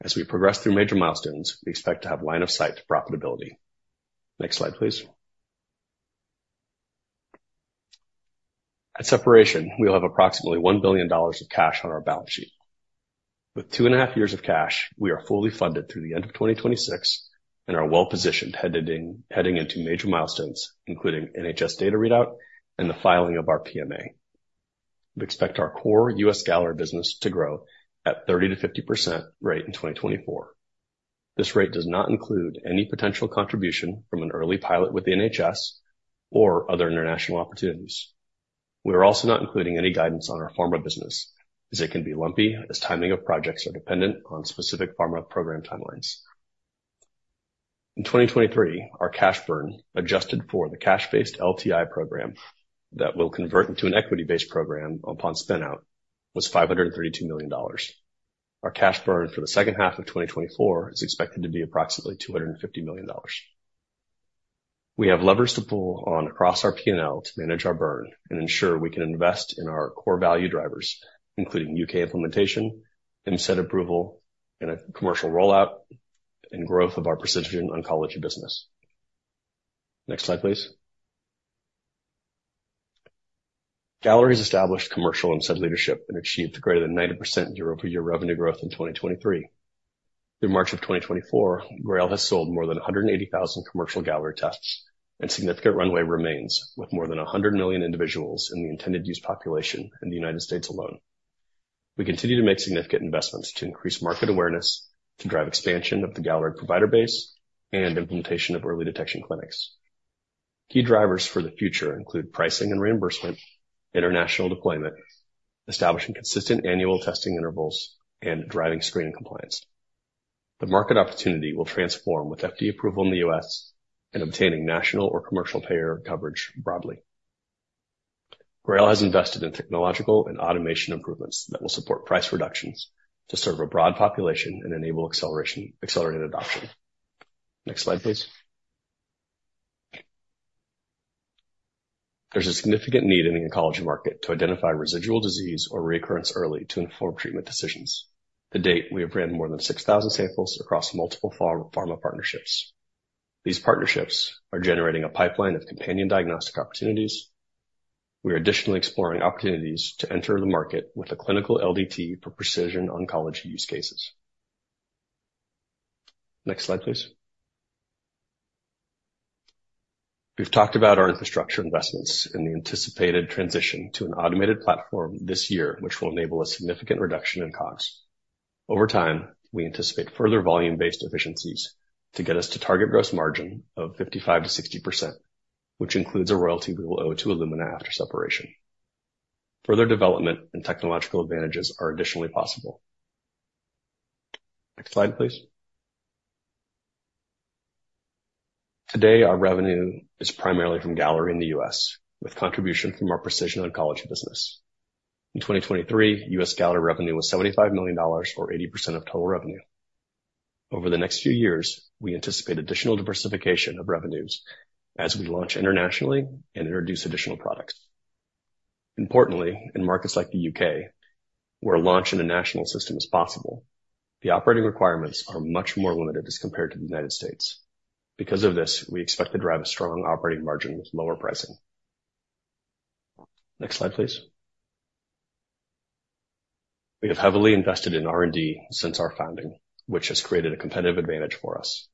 As we progress through major milestones, we expect to have line of sight to profitability. Next slide, please. At separation, we'll have approximately $1 billion of cash on our balance sheet. With 2.5 years of cash, we are fully funded through the end of 2026 and are well positioned heading into major milestones, including NHS data readout and the filing of our PMA. We expect our core US Galleri business to grow at 30%-50% rate in 2024. This rate does not include any potential contribution from an early pilot with the NHS or other international opportunities. We are also not including any guidance on our pharma business, as it can be lumpy, as timing of projects are dependent on specific pharma program timelines. In 2023, our cash burn, adjusted for the cash-based LTI program that will convert into an equity-based program upon spin-out, was $532 million. Our cash burn for the second half of 2024 is expected to be approximately $250 million. We have levers to pull on across our P&L to manage our burn and ensure we can invest in our core value drivers, including U.K. implementation, MCED approval, and a commercial rollout, and growth of our precision oncology business. Next slide, please. Galleri has established commercial and set leadership and achieved greater than 90% year-over-year revenue growth in 2023. Through March of 2024, GRAIL has sold more than 180,000 commercial Galleri tests, and significant runway remains, with more than 100 million individuals in the intended use population in the United States alone. We continue to make significant investments to increase market awareness, to drive expansion of the Galleri provider base, and implementation of early detection clinics. Key drivers for the future include pricing and reimbursement, international deployment, establishing consistent annual testing intervals, and driving screening compliance. The market opportunity will transform with FDA approval in the U.S. and obtaining national or commercial payer coverage broadly. GRAIL has invested in technological and automation improvements that will support price reductions to serve a broad population and enable acceleration, accelerated adoption. Next slide, please. There's a significant need in the oncology market to identify residual disease or recurrence early to inform treatment decisions. To date, we have ran more than 6,000 samples across multiple pharma partnerships. These partnerships are generating a pipeline of companion diagnostic opportunities. We are additionally exploring opportunities to enter the market with a clinical LDT for precision oncology use cases. Next slide, please. We've talked about our infrastructure investments and the anticipated transition to an automated platform this year, which will enable a significant reduction in costs. Over time, we anticipate further volume-based efficiencies to get us to target gross margin of 55%-60%, which includes a royalty we will owe to Illumina after separation. Further development and technological advantages are additionally possible.... Next slide, please. Today, our revenue is primarily from Galleri in the U.S., with contribution from our precision oncology business. In 2023, U.S. Galleri revenue was $75 million, or 80% of total revenue. Over the next few years, we anticipate additional diversification of revenues as we launch internationally and introduce additional products. Importantly, in markets like the U.K., where launch in a national system is possible, the operating requirements are much more limited as compared to the United States. Because of this, we expect to drive a strong operating margin with lower pricing. Next slide, please. We have heavily invested in R&D since our founding, which has created a competitive advantage for us.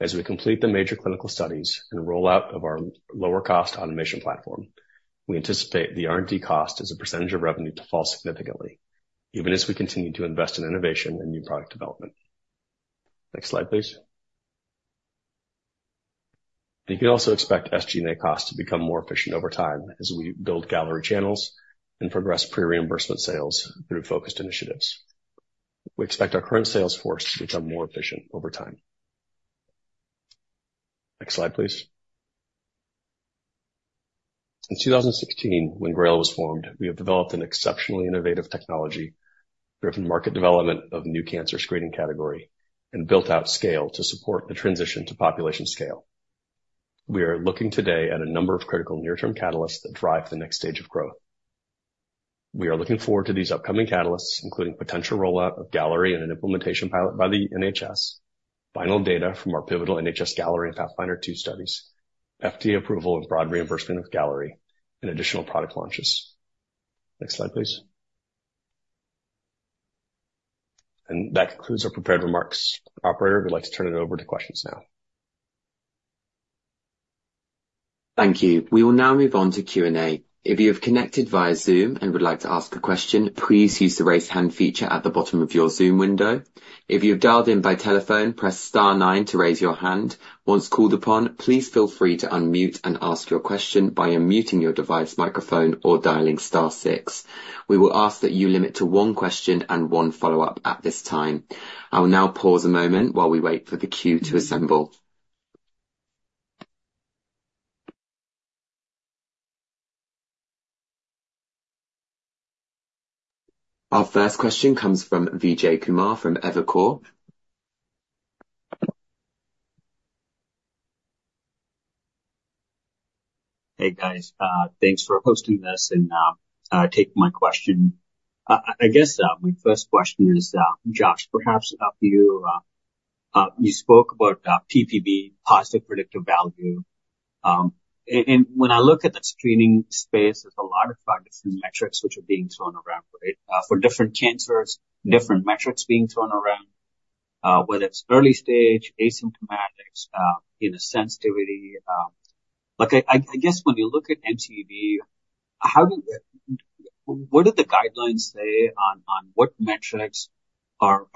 As we complete the major clinical studies and roll out of our lower cost automation platform, we anticipate the R&D cost as a percentage of revenue to fall significantly, even as we continue to invest in innovation and new product development. Next slide, please. You can also expect SG&A costs to become more efficient over time as we build Galleri channels and progress pre-reimbursement sales through focused initiatives. We expect our current sales force to become more efficient over time. Next slide, please. In 2016, when GRAIL was formed, we have developed an exceptionally innovative technology, driven market development of new cancer screening category, and built out scale to support the transition to population scale. We are looking today at a number of critical near-term catalysts that drive the next stage of growth. We are looking forward to these upcoming catalysts, including potential rollout of Galleri and an implementation pilot by the NHS, final data from our pivotal NHS-Galleri PATHFINDER 2 studies, FDA approval and broad reimbursement of Galleri, and additional product launches. Next slide, please. That concludes our prepared remarks. Operator, we'd like to turn it over to questions now. Thank you. We will now move on to Q&A. If you have connected via Zoom and would like to ask a question, please use the Raise Hand feature at the bottom of your Zoom window. If you have dialed in by telephone, press star nine to raise your hand. Once called upon, please feel free to unmute and ask your question by unmuting your device microphone or dialing star six. We will ask that you limit to one question and one follow-up at this time. I will now pause a moment while we wait for the queue to assemble. Our first question comes from Vijay Kumar from Evercore ISI. Hey, guys. Thanks for hosting this and taking my question. I guess my first question is, Josh, perhaps, you spoke about PPV, positive predictive value. And when I look at the screening space, there's a lot of factors and metrics which are being thrown around, right? For different cancers, different metrics being thrown around, whether it's early stage, asymptomatics, you know, sensitivity. Like, I guess when you look at MCED, how do—what do the guidelines say on what metrics are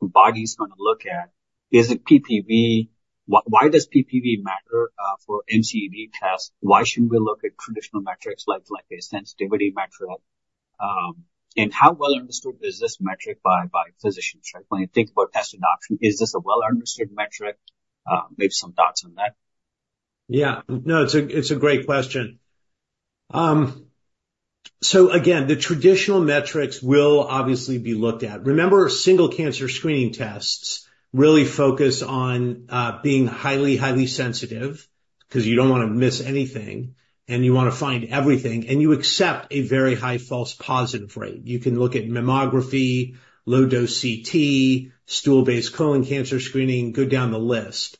bodies gonna look at? Is it PPV? Why does PPV matter for MCED tests? Why shouldn't we look at traditional metrics like a sensitivity metric? And how well understood is this metric by physicians, right? When you think about test adoption, is this a well-understood metric? Maybe some thoughts on that. Yeah. No, it's a, it's a great question. So again, the traditional metrics will obviously be looked at. Remember, single cancer screening tests really focus on, being highly, highly sensitive, 'cause you don't wanna miss anything, and you wanna find everything, and you accept a very high false positive rate. You can look at mammography, low-dose CT, stool-based colon cancer screening, go down the list.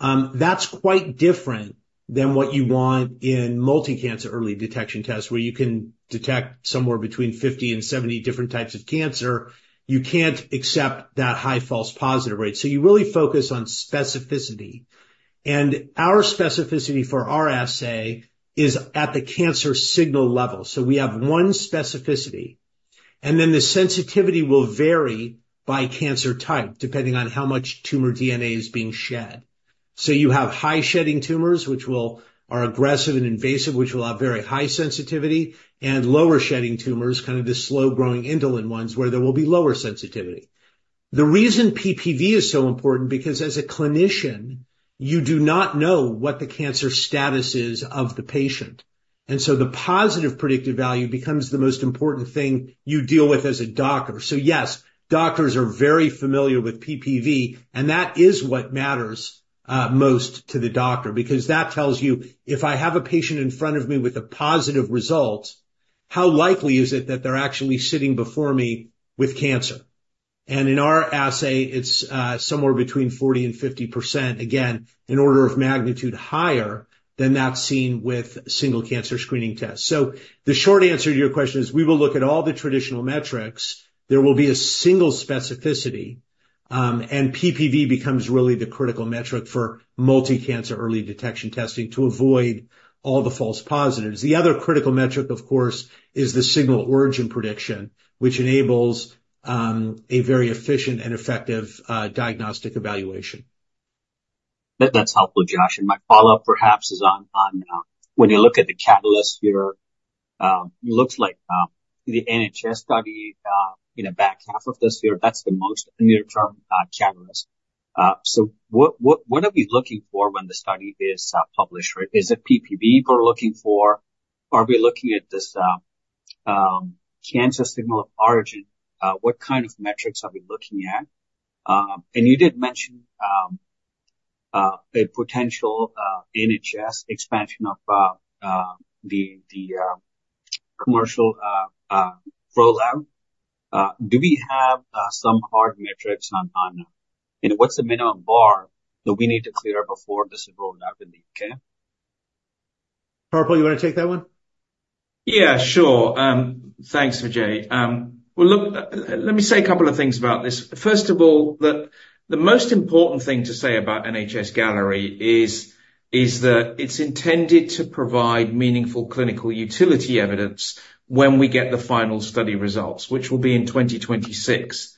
That's quite different than what you want in multi-cancer early detection tests, where you can detect somewhere between 50 and 70 different types of cancer. You can't accept that high false positive rate. So you really focus on specificity, and our specificity for our assay is at the cancer signal level. So we have one specificity, and then the sensitivity will vary by cancer type, depending on how much tumor DNA is being shed. So you have high shedding tumors, which will... are aggressive and invasive, which will have very high sensitivity, and lower shedding tumors, kind of the slow-growing indolent ones, where there will be lower sensitivity. The reason PPV is so important, because as a clinician, you do not know what the cancer status is of the patient, and so the positive predictive value becomes the most important thing you deal with as a doctor. So yes, doctors are very familiar with PPV, and that is what matters most to the doctor, because that tells you if I have a patient in front of me with a positive result, how likely is it that they're actually sitting before me with cancer? And in our assay, it's somewhere between 40% and 50%. Again, an order of magnitude higher than that seen with single cancer screening tests. So the short answer to your question is, we will look at all the traditional metrics. There will be a single specificity, and PPV becomes really the critical metric for multi-cancer early detection testing to avoid all the false positives. The other critical metric, of course, is the signal origin prediction, which enables a very efficient and effective diagnostic evaluation.... That, that's helpful, Josh, and my follow-up, perhaps, is on when you look at the catalyst here. It looks like the NHS study in the back half of this year, that's the most near-term catalyst. So what are we looking for when the study is published, right? Is it PPV we're looking for? Are we looking at this cancer signal of origin? What kind of metrics are we looking at? And you did mention a potential NHS expansion of the commercial roll-out. Do we have some hard metrics on, you know, what's the minimum bar that we need to clear before this is rolled out in the U.K.? Harpal, you wanna take that one? Yeah, sure. Thanks, Vijay. Well, look, let me say a couple of things about this. First of all, the most important thing to say about NHS-Galleri is that it's intended to provide meaningful clinical utility evidence when we get the final study results, which will be in 2026.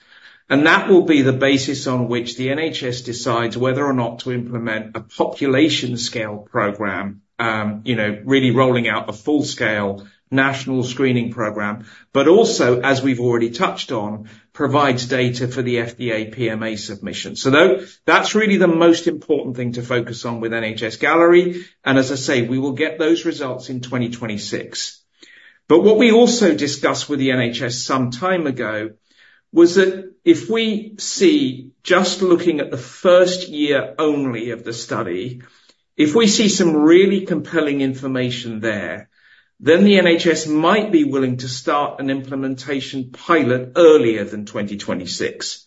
And that will be the basis on which the NHS decides whether or not to implement a population scale program, you know, really rolling out a full-scale national screening program. But also, as we've already touched on, provides data for the FDA PMA submission. So though, that's really the most important thing to focus on with NHS-Galleri, and as I say, we will get those results in 2026. But what we also discussed with the NHS some time ago, was that if we see, just looking at the first year only of the study, if we see some really compelling information there, then the NHS might be willing to start an implementation pilot earlier than 2026.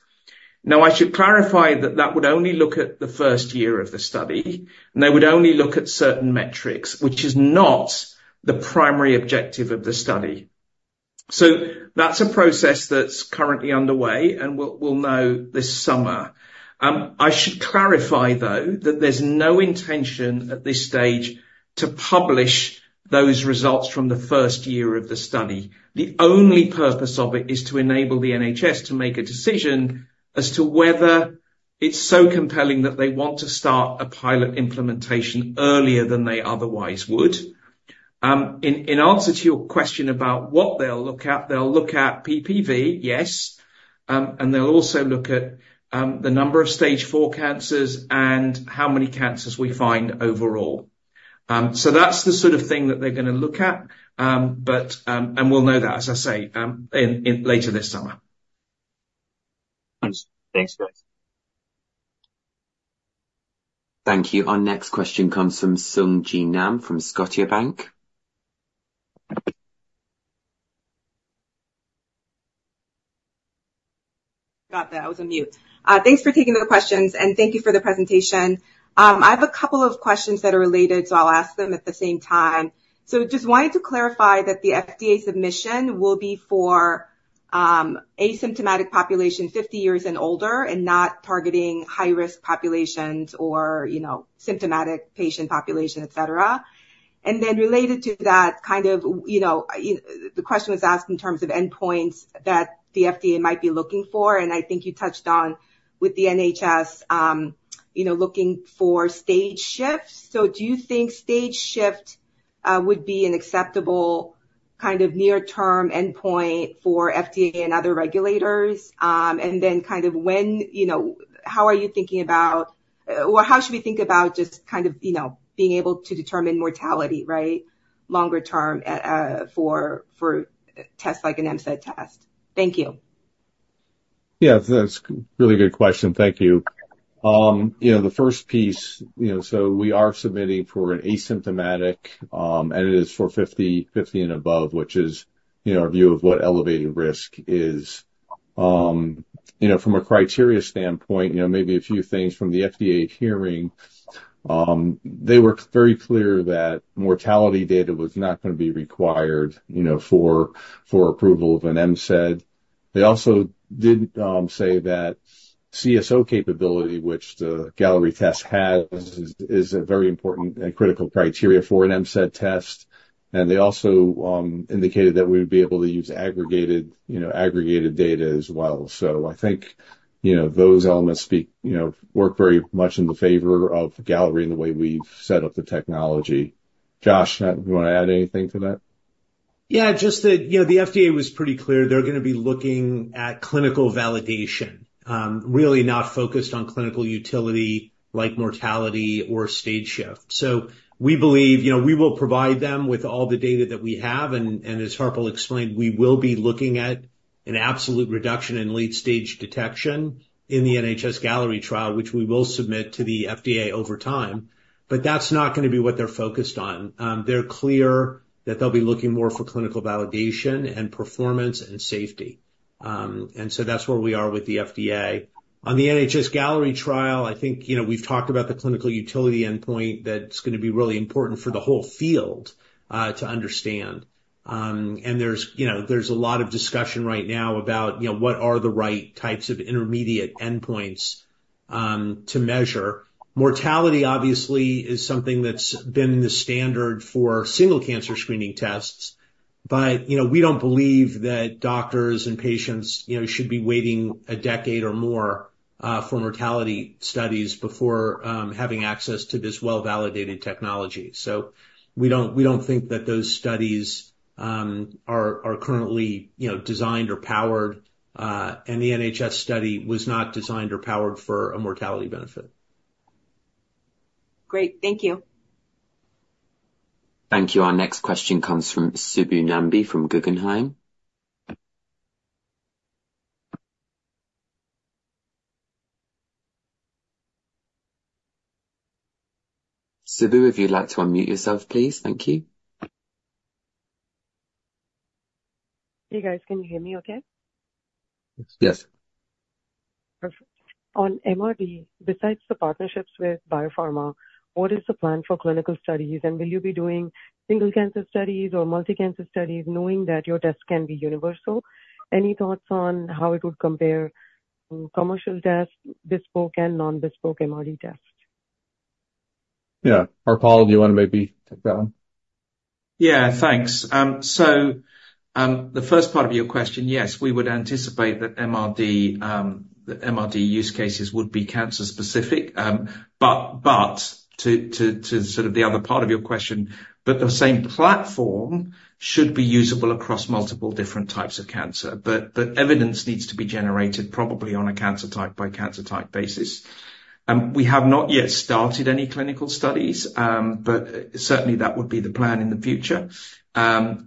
Now, I should clarify that that would only look at the first year of the study, and they would only look at certain metrics, which is not the primary objective of the study. So that's a process that's currently underway, and we'll know this summer. I should clarify, though, that there's no intention at this stage to publish those results from the first year of the study. The only purpose of it is to enable the NHS to make a decision as to whether it's so compelling that they want to start a pilot implementation earlier than they otherwise would. In answer to your question about what they'll look at, they'll look at PPV, yes, and they'll also look at the number of stage four cancers and how many cancers we find overall. So that's the sort of thing that they're gonna look at, but... We'll know that, as I say, later this summer. Thanks. Thanks, guys. Thank you. Our next question comes from Sung Ji Nam from Scotiabank. Got that. I was on mute. Thanks for taking the questions, and thank you for the presentation. I have a couple of questions that are related, so I'll ask them at the same time. So just wanted to clarify that the FDA submission will be for asymptomatic population 50 years and older, and not targeting high-risk populations or, you know, symptomatic patient population, et cetera. And then related to that, kind of, you know, the question was asked in terms of endpoints that the FDA might be looking for, and I think you touched on with the NHS, you know, looking for stage shifts. So do you think stage shift would be an acceptable kind of near-term endpoint for FDA and other regulators? And then kind of when, you know, how are you thinking about or how should we think about just kind of, you know, being able to determine mortality, right, longer term, for tests like an MCED test? Thank you. Yeah, that's a really good question. Thank you. You know, the first piece, you know, so we are submitting for an asymptomatic, and it is for 50 and above, which is, you know, our view of what elevated risk is. You know, from a criteria standpoint, you know, maybe a few things from the FDA hearing. They were very clear that mortality data was not gonna be required, you know, for approval of an MCED. They also did say that CSO capability, which the Galleri test has, is a very important and critical criteria for an MCED test, and they also indicated that we would be able to use aggregated, you know, aggregated data as well. So I think, you know, those elements speak, you know, work very much in the favor of Galleri and the way we've set up the technology. Josh, do you wanna add anything to that? Yeah, just that, you know, the FDA was pretty clear. They're gonna be looking at clinical validation, really not focused on clinical utility like mortality or stage shift. So we believe, you know, we will provide them with all the data that we have, and, and as Harpal explained, we will be looking at an absolute reduction in late-stage detection in the NHS-Galleri trial, which we will submit to the FDA over time, but that's not gonna be what they're focused on. They're clear that they'll be looking more for clinical validation and performance and safety. And so that's where we are with the FDA. On the NHS-Galleri trial, I think, you know, we've talked about the clinical utility endpoint that's gonna be really important for the whole field, to understand. There's, you know, there's a lot of discussion right now about, you know, what are the right types of intermediate endpoints to measure. Mortality, obviously, is something that's been the standard for single cancer screening tests. But, you know, we don't believe that doctors and patients, you know, should be waiting a decade or more for mortality studies before having access to this well-validated technology. So we don't, we don't think that those studies are currently, you know, designed or powered, and the NHS study was not designed or powered for a mortality benefit. Great. Thank you. Thank you. Our next question comes from Subbu Nambi, from Guggenheim. Subbu, if you'd like to unmute yourself, please. Thank you. Hey, guys. Can you hear me okay? Yes. Perfect. On MRD, besides the partnerships with biopharma, what is the plan for clinical studies? And will you be doing single cancer studies or multi-cancer studies, knowing that your test can be universal? Any thoughts on how it would compare to commercial tests, bespoke and non-bespoke MRD tests? Yeah. Harpal, do you wanna maybe take that one? Yeah, thanks. So, the first part of your question, yes, we would anticipate that MRD, the MRD use cases would be cancer specific. But to sort of the other part of your question, but the same platform should be usable across multiple different types of cancer. But evidence needs to be generated, probably on a cancer type by cancer type basis. We have not yet started any clinical studies. But certainly, that would be the plan in the future. And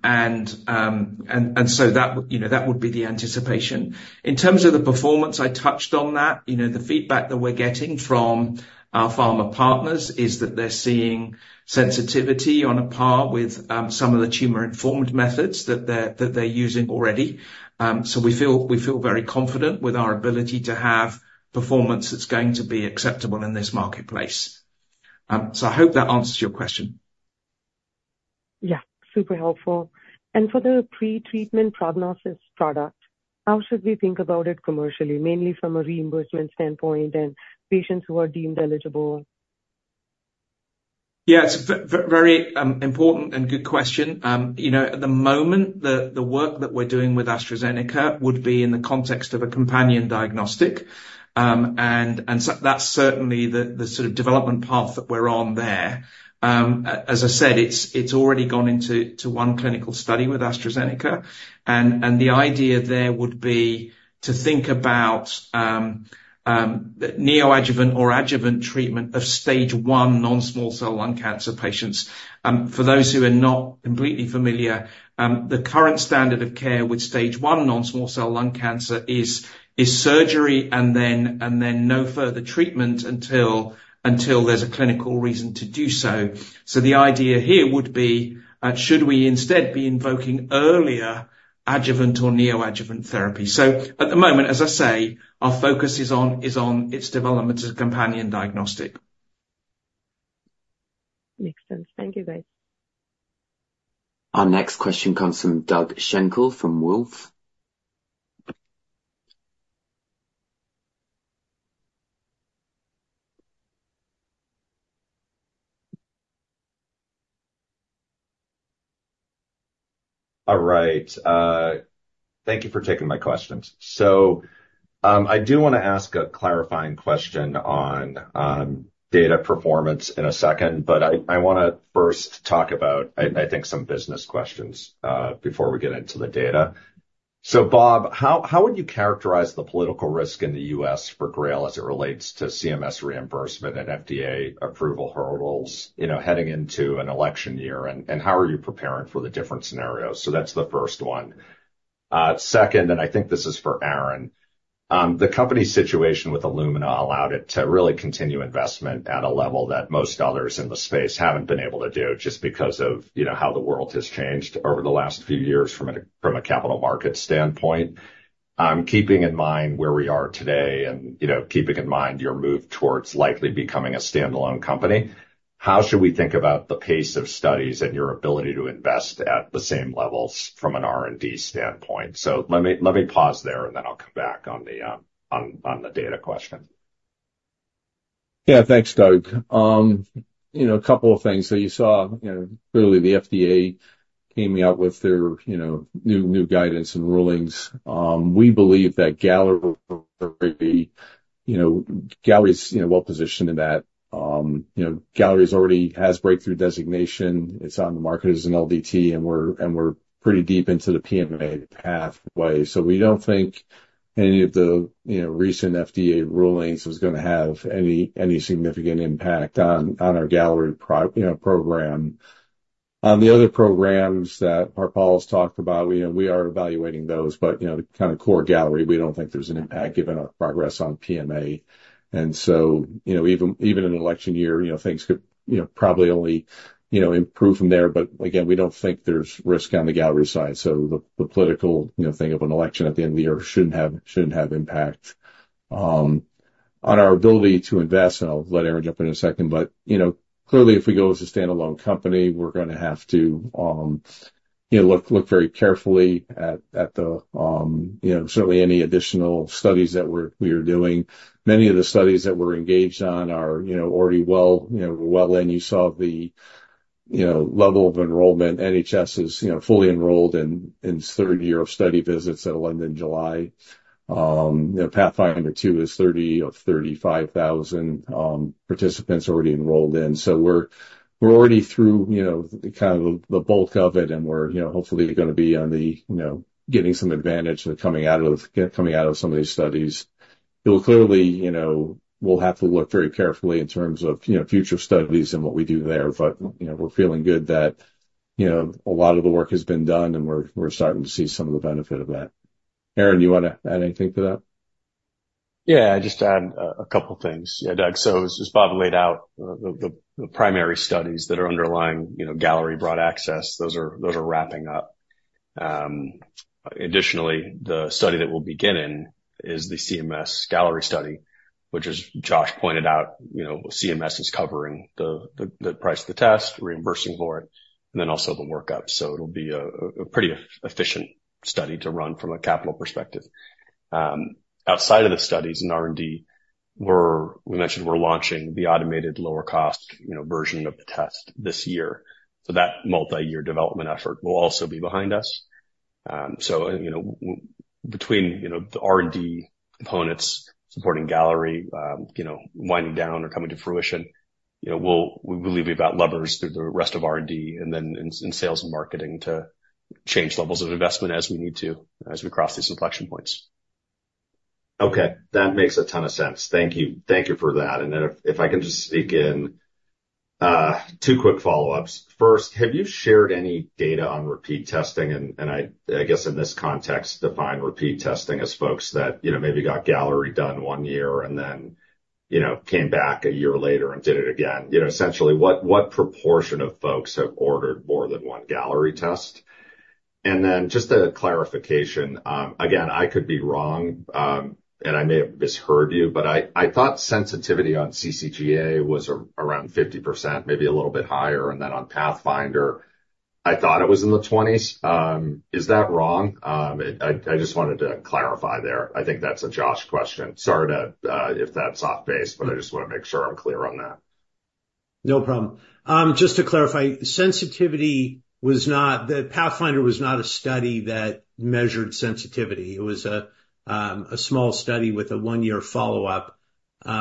so that, you know, that would be the anticipation. In terms of the performance, I touched on that. You know, the feedback that we're getting from our pharma partners is that they're seeing sensitivity on a par with some of the tumor-informed methods that they're using already. So we feel very confident with our ability to have performance that's going to be acceptable in this marketplace. So I hope that answers your question. Yeah, super helpful. For the pre-treatment prognosis product, how should we think about it commercially? Mainly from a reimbursement standpoint and patients who are deemed eligible. Yeah, it's a very important and good question. You know, at the moment, the work that we're doing with AstraZeneca would be in the context of a companion diagnostic. And so that's certainly the sort of development path that we're on there. As I said, it's already gone into one clinical study with AstraZeneca, and the idea there would be to think about the neoadjuvant or adjuvant treatment of stage one non-small cell lung cancer patients. For those who are not completely familiar, the current standard of care with stage one non-small cell lung cancer is surgery, and then no further treatment until there's a clinical reason to do so. So the idea here would be, should we instead be invoking earlier adjuvant or neoadjuvant therapy? At the moment, as I say, our focus is on its development as a companion diagnostic. Makes sense. Thank you, guys. Our next question comes from Doug Schenkel from Wolfe. All right, thank you for taking my questions. So, I do wanna ask a clarifying question on data performance in a second, but I wanna first talk about, I think, some business questions before we get into the data. So Bob, how would you characterize the political risk in the U.S. for GRAIL, as it relates to CMS reimbursement and FDA approval hurdles, you know, heading into an election year, and how are you preparing for the different scenarios? So that's the first one. Second, and I think this is for Aaron, the company's situation with Illumina allowed it to really continue investment at a level that most others in the space haven't been able to do, just because of, you know, how the world has changed over the last few years from a capital market standpoint. Keeping in mind where we are today and, you know, keeping in mind your move towards likely becoming a standalone company, how should we think about the pace of studies and your ability to invest at the same levels from an R&D standpoint? So let me pause there, and then I'll come back on the data question. Yeah, thanks, Doug. You know, a couple of things. So you saw, you know, clearly the FDA came out with their, you know, new guidance and rulings. We believe that Galleri, you know, Galleri's, well positioned in that. You know, Galleri's already has breakthrough designation. It's on the market as an LDT, and we're pretty deep into the PMA pathway. So we don't think any of the, you know, recent FDA rulings is gonna have any significant impact on our Galleri pro, you know, program. On the other programs that Harpal's talked about, we are evaluating those, but, you know, the kinda core Galleri, we don't think there's an impact given our progress on PMA. And so, you know, even in an election year, you know, things could, you know, probably only, you know, improve from there. But again, we don't think there's risk on the Galleri side. So the political, you know, thing of an election at the end of the year shouldn't have impact. On our ability to invest, and I'll let Aaron jump in a second, but, you know, clearly, if we go as a standalone company, we're gonna have to, you know, look very carefully at the, you know, certainly any additional studies that we're doing. Many of the studies that we're engaged on are, you know, already well in. You saw the, you know, level of enrollment, NHS is, you know, fully enrolled in its third year of study visits in London in July. You know, PATHFINDER 2 is 30 of 35,000 participants already enrolled in. So we're already through, you know, kind of the bulk of it, and we're, you know, hopefully gonna be on the, you know, getting some advantage of coming out of some of these studies. It will clearly, you know, we'll have to look very carefully in terms of, you know, future studies and what we do there, but, you know, we're feeling good that, you know, a lot of the work has been done, and we're starting to see some of the benefit of that. Aaron, do you wanna add anything to that? Yeah, just add a couple things. Yeah, Doug, so as Bob laid out, the primary studies that are underlying, you know, Galleri broad access, those are wrapping up. Additionally, the study that we'll begin in is the CMS Galleri study, which, as Josh pointed out, you know, CMS is covering the price of the test, reimbursing for it, and then also the workup. So it'll be a pretty efficient study to run from a capital perspective. Outside of the studies in R&D, we mentioned we're launching the automated lower cost, you know, version of the test this year, so that multi-year development effort will also be behind us. So, you know, between, you know, the R&D components supporting Galleri, you know, winding down or coming to fruition, you know, we believe we've got levers through the rest of R&D, and then in sales and marketing to change levels of investment as we need to, as we cross these inflection points. Okay, that makes a ton of sense. Thank you. Thank you for that. And then if I can just sneak in two quick follow-ups. First, have you shared any data on repeat testing? And I guess in this context, define repeat testing as folks that, you know, maybe got Galleri done one year and then, you know, came back a year later and did it again. You know, essentially, what proportion of folks have ordered more than one Galleri test? And then just a clarification. Again, I could be wrong, and I may have misheard you, but I thought sensitivity on CCGA was around 50%, maybe a little bit higher, and then on PATHFINDER, I thought it was in the 20s. Is that wrong? I just wanted to clarify there. I think that's a Josh question. Sorry to, if that's off base, but I just wanna make sure I'm clear on that. No problem. Just to clarify, sensitivity was not... The PATHFINDER was not a study that measured sensitivity. It was a small study with a one-year follow-up,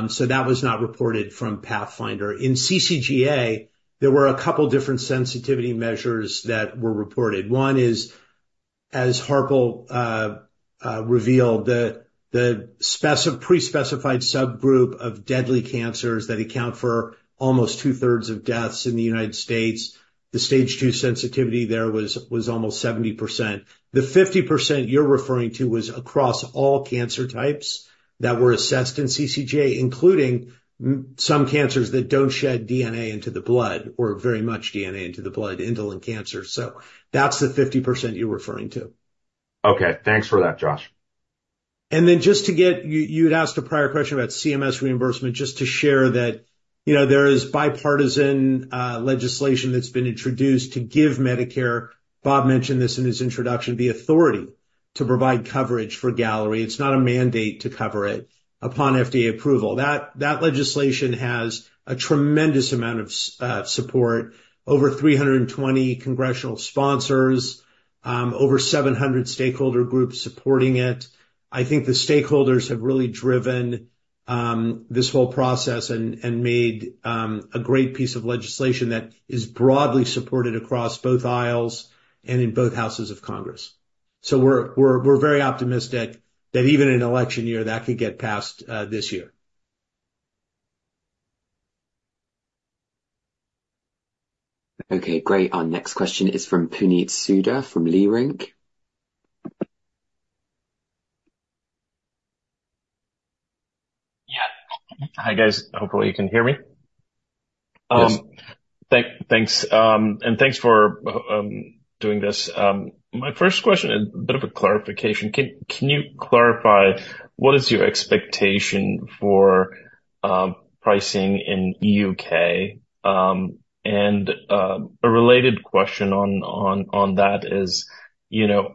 so that was not reported from PATHFINDER. In CCGA, there were a couple different sensitivity measures that were reported. One is, as Harpal revealed, the pre-specified subgroup of deadly cancers that account for almost 2/3 of deaths in the United States, the stage two sensitivity there was almost 70%. The 50% you're referring to was across all cancer types that were assessed in CCGA, including some cancers that don't shed DNA into the blood or very much DNA into the blood, indolent cancers, so that's the 50% you're referring to. Okay. Thanks for that, Josh. Just to get... You'd asked a prior question about CMS reimbursement, just to share that, you know, there is bipartisan legislation that's been introduced to give Medicare, Bob mentioned this in his introduction, the authority to provide coverage for Galleri. It's not a mandate to cover it upon FDA approval. That legislation has a tremendous amount of support. Over 320 congressional sponsors, over 700 stakeholder groups supporting it. I think the stakeholders have really driven this whole process and made a great piece of legislation that is broadly supported across both aisles and in both houses of Congress. So we're very optimistic that even in an election year, that could get passed this year. Okay, great. Our next question is from Puneet Souda, from Leerink. Yeah. Hi, guys. Hopefully you can hear me. Yes. Thanks, and thanks for doing this. My first question, a bit of a clarification. Can you clarify what is your expectation for pricing in U.K.? And a related question on that is, you know,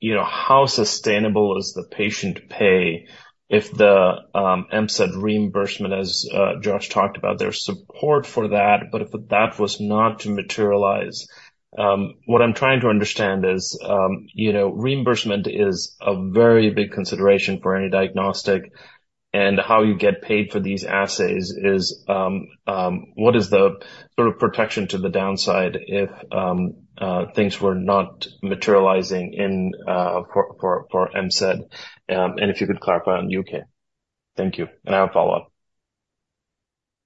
you know, how sustainable is the patient pay if the MCED reimbursement, as Josh talked about, there's support for that, but if that was not to materialize, what I'm trying to understand is, you know, reimbursement is a very big consideration for any diagnostic, and how you get paid for these assays is what is the sort of protection to the downside if things were not materializing in for MCED? And if you could clarify on U.K. Thank you, and I have a follow-up.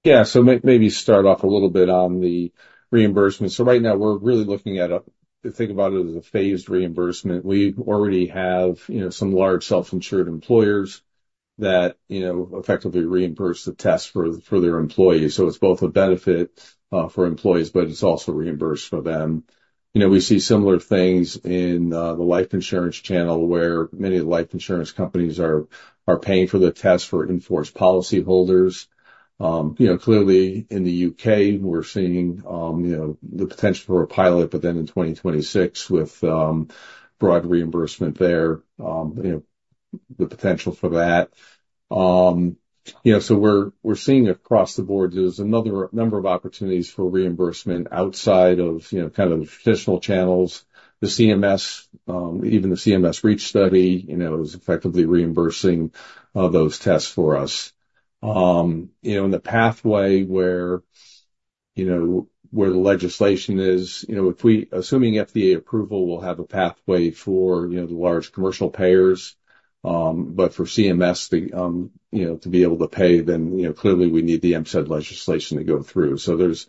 Yeah, so maybe start off a little bit on the reimbursement. So right now we're really looking at a, think about it as a phased reimbursement. We already have, you know, some large self-insured employers that, you know, effectively reimburse the test for, for their employees. So it's both a benefit for employees, but it's also reimbursed for them. You know, we see similar things in the life insurance channel, where many life insurance companies are paying for the test for insured policyholders. Clearly in the U.K., we're seeing the potential for a pilot, but then in 2026, with broad reimbursement there, the potential for that. So we're seeing across the board, there's another number of opportunities for reimbursement outside of, you know, kind of the traditional channels. The CMS, even the CMS REACH study, you know, is effectively reimbursing, those tests for us. You know, in the pathway where, you know, where the legislation is, you know, if assuming FDA approval, we'll have a pathway for, you know, the large commercial payers. But for CMS, the, you know, to be able to pay, then, you know, clearly we need the MCED legislation to go through. So there's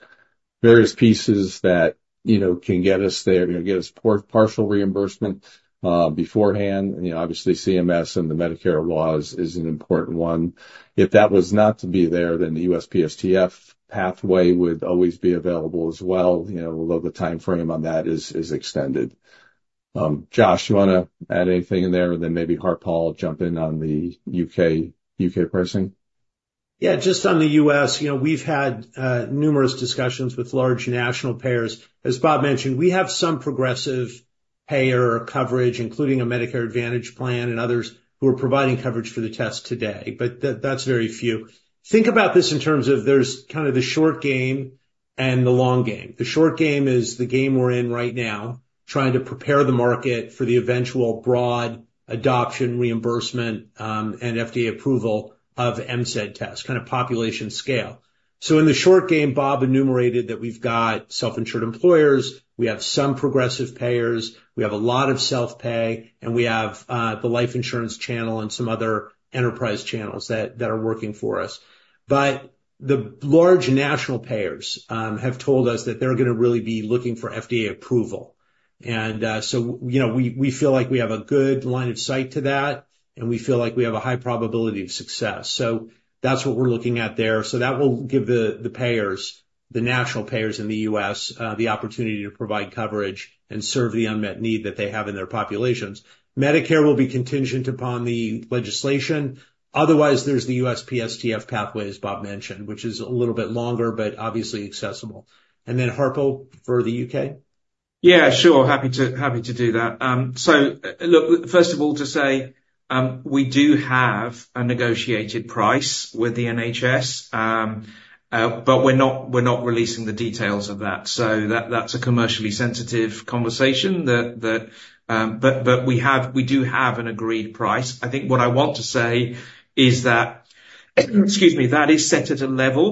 various pieces that, you know, can get us there, you know, get us partial reimbursement, beforehand. You know, obviously, CMS and the Medicare laws is an important one. If that was not to be there, then the USPSTF pathway would always be available as well, you know, although the timeframe on that is extended. Josh, you wanna add anything in there? And then maybe Harpal, jump in on the U.K., U.K. pricing. Yeah, just on the U.S., you know, we've had numerous discussions with large national payers. As Bob mentioned, we have some progressive payer coverage, including a Medicare Advantage plan and others who are providing coverage for the test today, but that's very few. Think about this in terms of there's kind of the short game and the long game. The short game is the game we're in right now, trying to prepare the market for the eventual broad adoption, reimbursement, and FDA approval of MCED test, kind of population scale. So in the short game, Bob enumerated that we've got self-insured employers, we have some progressive payers, we have a lot of self-pay, and we have the life insurance channel and some other enterprise channels that are working for us. But the large national payers have told us that they're gonna really be looking for FDA approval. And so, you know, we, we feel like we have a good line of sight to that, and we feel like we have a high probability of success. So that's what we're looking at there. So that will give the payers, the national payers in the U.S., the opportunity to provide coverage and serve the unmet need that they have in their populations. Medicare will be contingent upon the legislation. Otherwise, there's the USPSTF pathway, as Bob mentioned, which is a little bit longer, but obviously accessible. And then Harpal, for the U.K.? Yeah, sure. Happy to, happy to do that. So look, first of all, to say, we do have a negotiated price with the NHS. But we're not, we're not releasing the details of that, so that- that's a commercially sensitive conversation that, that... But, but we have- we do have an agreed price. I think what I want to say is that, excuse me, that is set at a level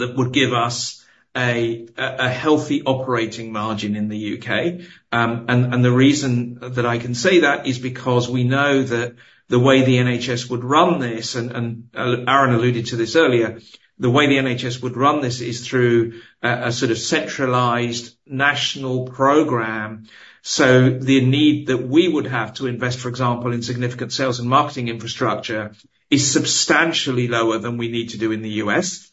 that would give us a, a healthy operating margin in the U.K. And, and the reason that I can say that is because we know that the way the NHS would run this, and, Aaron alluded to this earlier, the way the NHS would run this is through a, a sort of centralized national program. The need that we would have to invest, for example, in significant sales and marketing infrastructure, is substantially lower than we need to do in the U.S.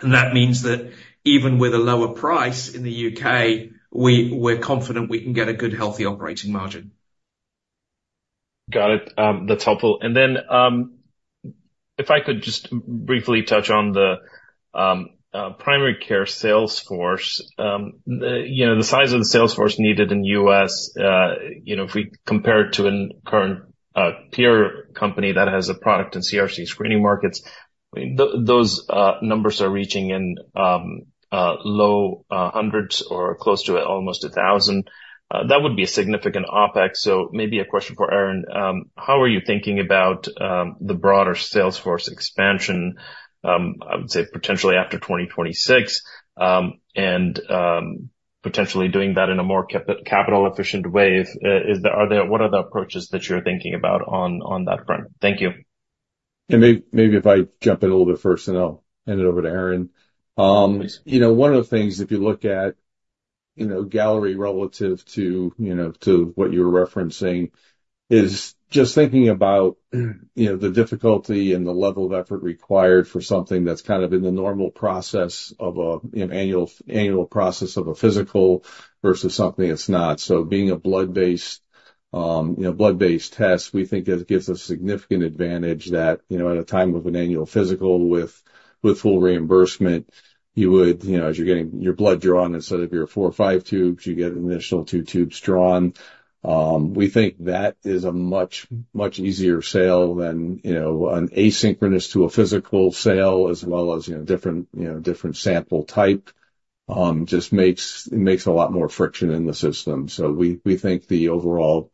That means that even with a lower price in the U.K., we- we're confident we can get a good, healthy operating margin. Got it. That's helpful. And then, if I could just briefly touch on the primary care sales force. You know, the size of the sales force needed in the U.S., you know, if we compare it to a current peer company that has a product in CRC screening markets, those numbers are reaching in low hundreds or close to almost 1,000. That would be a significant OpEx. So maybe a question for Aaron: How are you thinking about the broader sales force expansion, I would say potentially after 2026? And potentially doing that in a more capital efficient way. What are the approaches that you're thinking about on that front? Thank you. Maybe if I jump in a little bit first, and I'll hand it over to Aaron. You know, one of the things, if you look at, you know, Galleri relative to, you know, to what you were referencing, is just thinking about, you know, the difficulty and the level of effort required for something that's kind of in the normal process of an annual process of a physical versus something that's not. So being a blood-based, you know, blood-based test, we think it gives a significant advantage that, you know, at a time of an annual physical with full reimbursement, you would, you know, as you're getting your blood drawn, instead of your four or five tubes, you get an initial two tubes drawn. We think that is a much, much easier sale than, you know, an asynchronous to a physical sale, as well as, you know, different, you know, different sample type. It makes a lot more friction in the system. So we think the overall,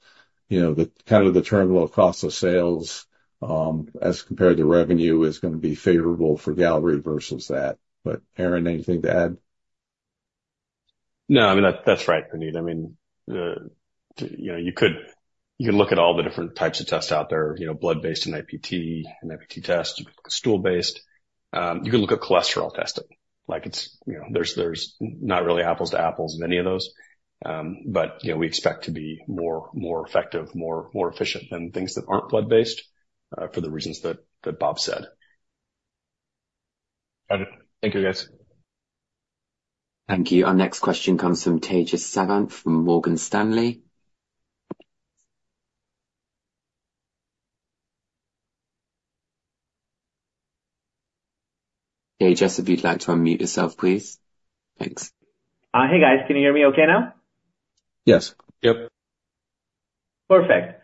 you know, the kind of the term, low cost of sales, as compared to revenue, is gonna be favorable for Galleri versus that. But Aaron, anything to add? No, I mean, that's right, Puneet. I mean, you know, you can look at all the different types of tests out there, you know, blood-based and NIPT, an NIPT test, stool-based. You can look at cholesterol testing, like it's, you know, there's not really apples to apples, many of those. But, you know, we expect to be more, more effective, more, more efficient than things that aren't blood-based, for the reasons that Bob said. Got it. Thank you, guys. Thank you. Our next question comes from Tejas Sawant, from Morgan Stanley. Hey, Tejas, if you'd like to unmute yourself, please. Thanks. Hey, guys, can you hear me okay now? Yes. Yep. Perfect.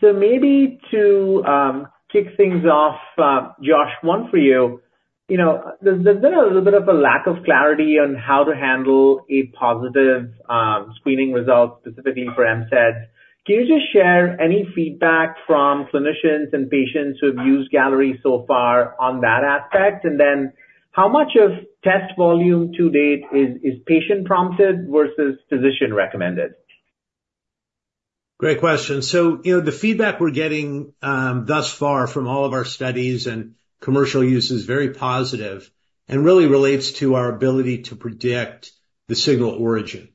So maybe to kick things off, Josh, one for you. You know, there has been a little bit of a lack of clarity on how to handle a positive screening result, specifically for MCEDs. Can you just share any feedback from clinicians and patients who have used Galleri so far on that aspect? And then how much of test volume to date is patient-prompted versus physician-recommended? Great question. So, you know, the feedback we're getting thus far from all of our studies and commercial use is very positive and really relates to our ability to predict the signal origin.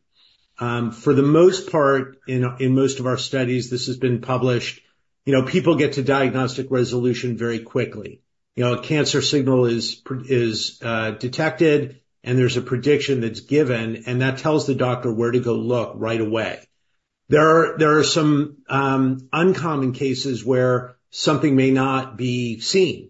For the most part, in most of our studies, this has been published, you know, people get to diagnostic resolution very quickly. You know, a cancer signal is detected, and there's a prediction that's given, and that tells the doctor where to go look right away. There are some uncommon cases where something may not be seen.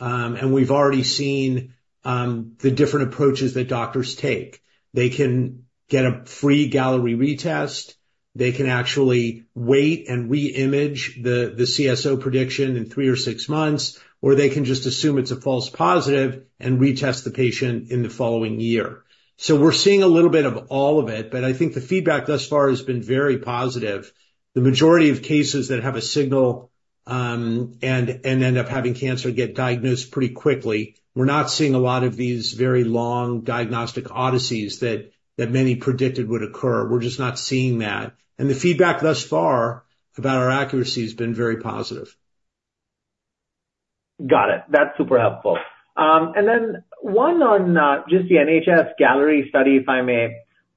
And we've already seen the different approaches that doctors take. They can get a free Galleri retest, they can actually wait and re-image the CSO prediction in three or six months, or they can just assume it's a false positive and retest the patient in the following year. So we're seeing a little bit of all of it, but I think the feedback thus far has been very positive. The majority of cases that have a signal and end up having cancer get diagnosed pretty quickly. We're not seeing a lot of these very long diagnostic odysseys that many predicted would occur. We're just not seeing that, and the feedback thus far about our accuracy has been very positive. Got it. That's super helpful. And then one on, just the NHS Galleri study, if I may.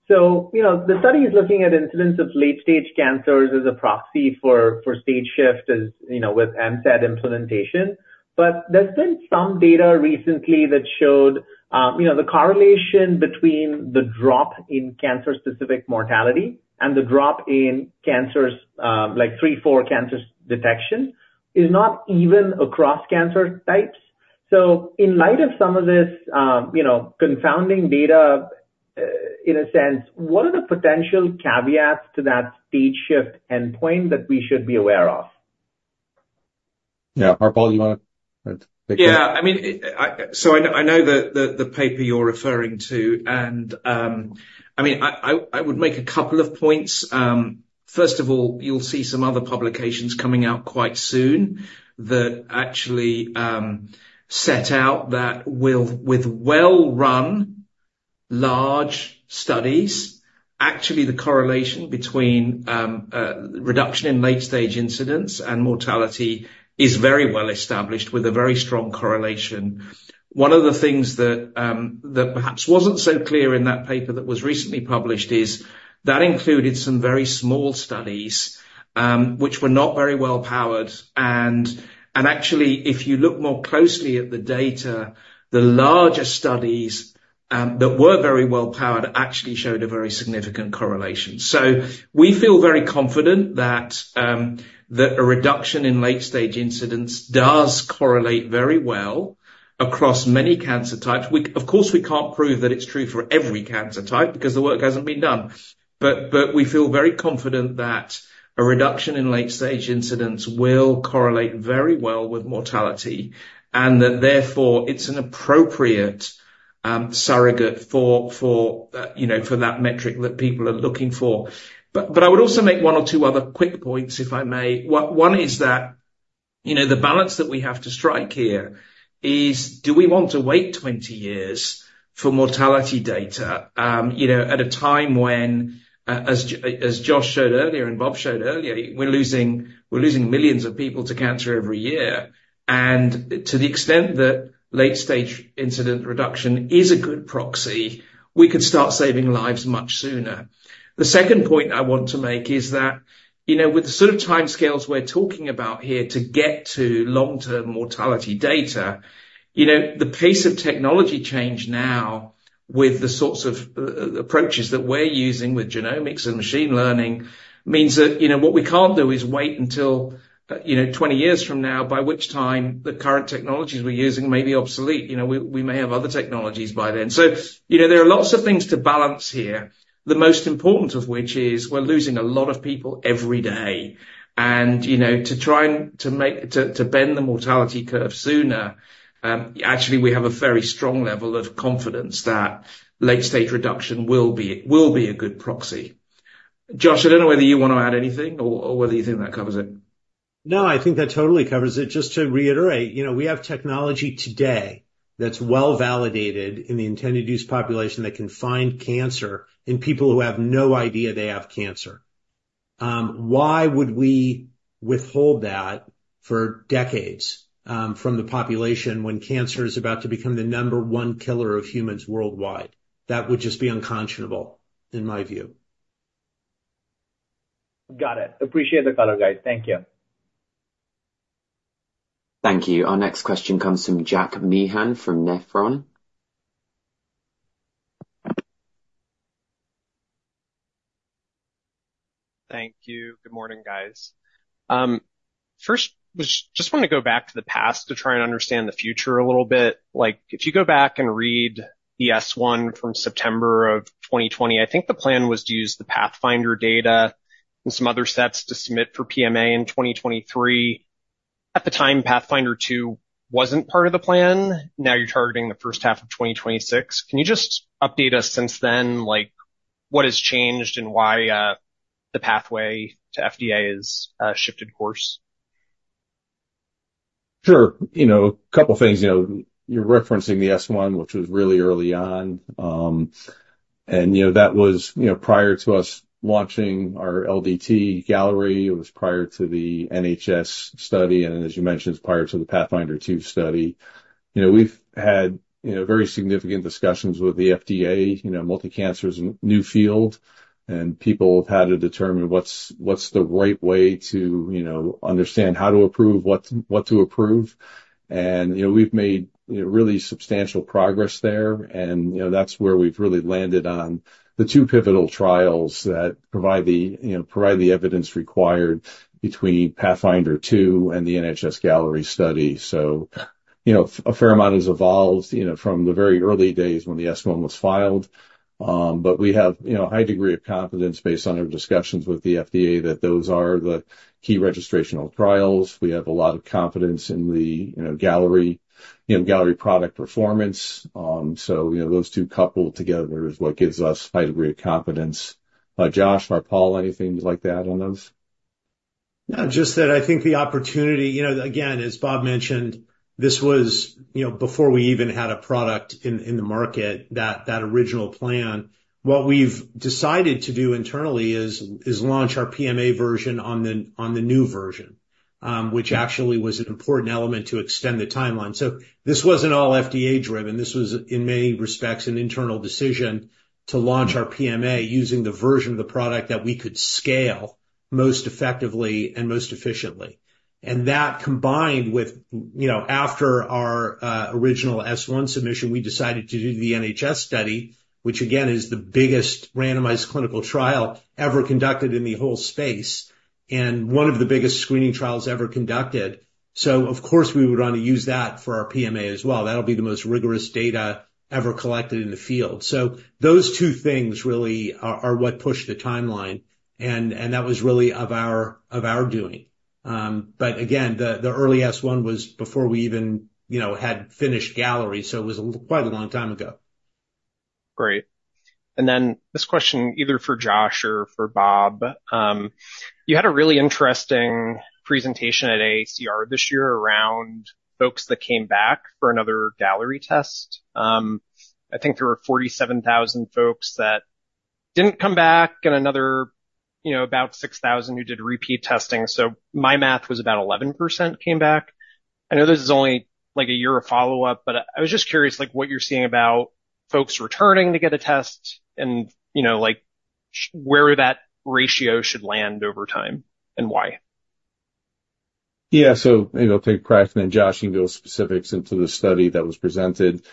So, you know, the study is looking at incidence of late-stage cancers as a proxy for, for stage shift, as, you know, with MCED implementation. But there's been some data recently that showed, you know, the correlation between the drop in cancer-specific mortality and the drop in cancers, like three, four cancer detection, is not even across cancer types. So in light of some of this, you know, confounding data, in a sense, what are the potential caveats to that stage shift endpoint that we should be aware of? Yeah, Harpal, you wanna take that? Yeah. I mean, so I know, I know the paper you're referring to, and, I mean, I would make a couple of points. First of all, you'll see some other publications coming out quite soon that actually set out that with well-run large studies, actually the correlation between reduction in late-stage incidence and mortality is very well established with a very strong correlation. One of the things that perhaps wasn't so clear in that paper that was recently published is that it included some very small studies, which were not very well-powered. And actually, if you look more closely at the data, the larger studies that were very well-powered actually showed a very significant correlation. So we feel very confident that a reduction in late-stage incidence does correlate very well across many cancer types. Of course, we can't prove that it's true for every cancer type, because the work hasn't been done. But we feel very confident that a reduction in late-stage incidence will correlate very well with mortality, and that therefore, it's an appropriate surrogate for, you know, for that metric that people are looking for. But I would also make one or two other quick points, if I may. One is that, you know, the balance that we have to strike here is, do we want to wait 20 years for mortality data, you know, at a time when, as Josh showed earlier and Bob showed earlier, we're losing millions of people to cancer every year. To the extent that late-stage incidence reduction is a good proxy, we could start saving lives much sooner. The second point I want to make is that, you know, with the sort of timescales we're talking about here to get to long-term mortality data, you know, the pace of technology change now, with the sorts of approaches that we're using with genomics and machine learning, means that, you know, what we can't do is wait until, you know, 20 years from now, by which time the current technologies we're using may be obsolete. You know, we, we may have other technologies by then. So, you know, there are lots of things to balance here, the most important of which is we're losing a lot of people every day. And, you know, to try and to make... To bend the mortality curve sooner, actually, we have a very strong level of confidence that late-stage reduction will be a good proxy. Josh, I don't know whether you want to add anything or whether you think that covers it. No, I think that totally covers it. Just to reiterate, you know, we have technology today that's well-validated in the intended use population, that can find cancer in people who have no idea they have cancer. Why would we withhold that for decades, from the population, when cancer is about to become the number one killer of humans worldwide? That would just be unconscionable, in my view. Got it. Appreciate the color, guys. Thank you. Thank you. Our next question comes from Jack Meehan from Nephron. ...Thank you. Good morning, guys. First, just, just want to go back to the past to try and understand the future a little bit. Like, if you go back and read the S-1 from September of 2020, I think the plan was to use the PATHFINDER data and some other sets to submit for PMA in 2023. At the time, PATHFINDER 2 wasn't part of the plan. Now you're targeting the first half of 2026. Can you just update us since then? Like, what has changed and why, the pathway to FDA has shifted course? Sure. You know, a couple things. You know, you're referencing the S-1, which was really early on. And, you know, that was, you know, prior to us launching our LDT Galleri. It was prior to the NHS study, and as you mentioned, it's prior to the PATHFINDER 2 study. You know, we've had, you know, very significant discussions with the FDA, you know, multi-cancer is a new field, and people have had to determine what's, what's the right way to, you know, understand how to approve, what, what to approve. And, you know, we've made, you know, really substantial progress there, and, you know, that's where we've really landed on the two pivotal trials that provide the, you know, provide the evidence required between PATHFINDER 2 and the NHS Galleri study. So, you know, a fair amount has evolved, you know, from the very early days when the S-1 was filed. But we have, you know, a high degree of confidence based on our discussions with the FDA, that those are the key registrational trials. We have a lot of confidence in the, you know, Galleri, you know, Galleri product performance. So, you know, those two coupled together is what gives us a high degree of confidence. Josh or Harpal, anything like to add on those? No, just that I think the opportunity, you know, again, as Bob mentioned, this was, you know, before we even had a product in, in the market, that, that original plan. What we've decided to do internally is, is launch our PMA version on the, on the new version, which actually was an important element to extend the timeline. So this wasn't all FDA driven. This was, in many respects, an internal decision to launch our PMA using the version of the product that we could scale most effectively and most efficiently. And that, combined with, you know, after our, original S-1 submission, we decided to do the NHS study, which again, is the biggest randomized clinical trial ever conducted in the whole space, and one of the biggest screening trials ever conducted. So of course, we would want to use that for our PMA as well. That'll be the most rigorous data ever collected in the field. So those two things really are what pushed the timeline, and that was really of our doing. But again, the early S-1 was before we even, you know, had finished Galleri, so it was quite a long time ago. Great. And then this question, either for Josh or for Bob. You had a really interesting presentation at AACR this year around folks that came back for another Galleri test. I think there were 47,000 folks that didn't come back and another, you know, about 6,000 who did repeat testing. So my math was about 11% came back. I know this is only, like, a year of follow-up, but I was just curious, like, what you're seeing about folks returning to get a test and, you know, like, where that ratio should land over time and why? Yeah, so maybe I'll take crack, and then Josh can go specifics into the study that was presented.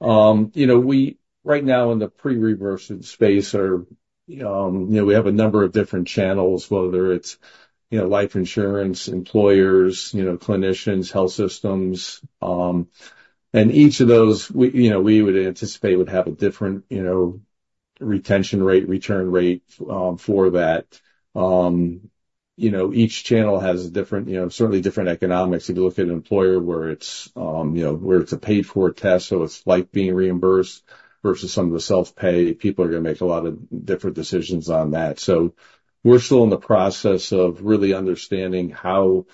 You know, we right now in the pre-reimburse space are, you know, we have a number of different channels, whether it's, you know, life insurance, employers, you know, clinicians, health systems, and each of those, you know, we would anticipate would have a different, you know, retention rate, return rate, for that. You know, each channel has a different, you know, certainly different economics. If you look at an employer where it's, you know, where it's a paid-for test, so it's like being reimbursed versus some of the self-pay, people are going to make a lot of different decisions on that. So we're still in the process of really understanding how,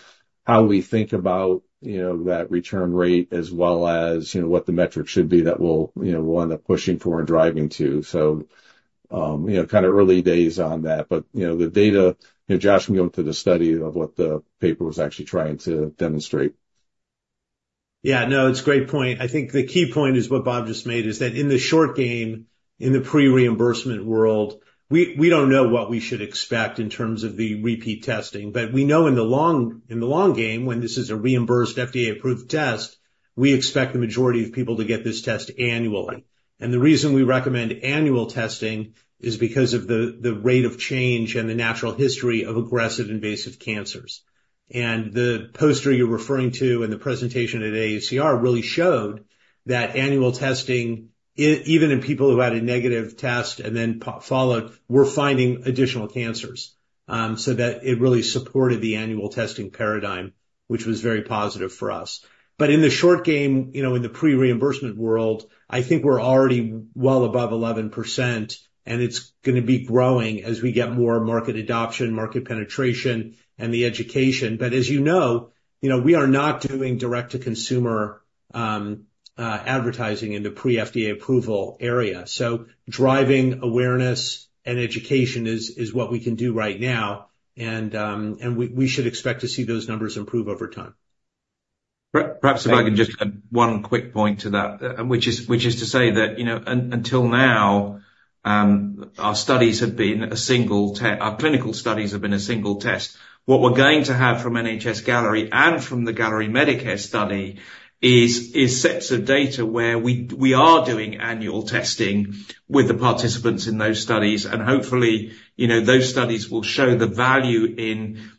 how we think about, you know, that return rate as well as, you know, what the metric should be that we'll, you know, wind up pushing for and driving to. So, you know, kind of early days on that, but, you know, the data, you know, Josh, can go into the study of what the paper was actually trying to demonstrate. Yeah, no, it's a great point. I think the key point is what Bob just made, is that in the short game, in the pre-reimbursement world, we don't know what we should expect in terms of the repeat testing. But we know in the long game, when this is a reimbursed, FDA-approved test, we expect the majority of people to get this test annually. And the reason we recommend annual testing is because of the rate of change and the natural history of aggressive invasive cancers. And the poster you're referring to and the presentation at AACR really showed that annual testing, even in people who had a negative test and then followed, were finding additional cancers. So that it really supported the annual testing paradigm, which was very positive for us. But in the short game, you know, in the pre-reimbursement world, I think we're already well above 11%, and it's gonna be growing as we get more market adoption, market penetration and the education. But as you know, you know, we are not doing direct-to-consumer advertising in the pre-FDA approval area. So driving awareness and education is what we can do right now, and we should expect to see those numbers improve over time. Right. Perhaps if I can just add one quick point to that, which is to say that, you know, until now, our clinical studies have been a single test. What we're going to have from NHS Galleri and from the Galleri Medicare study is sets of data where we are doing annual testing with the participants in those studies, and hopefully, you know, those studies will show the value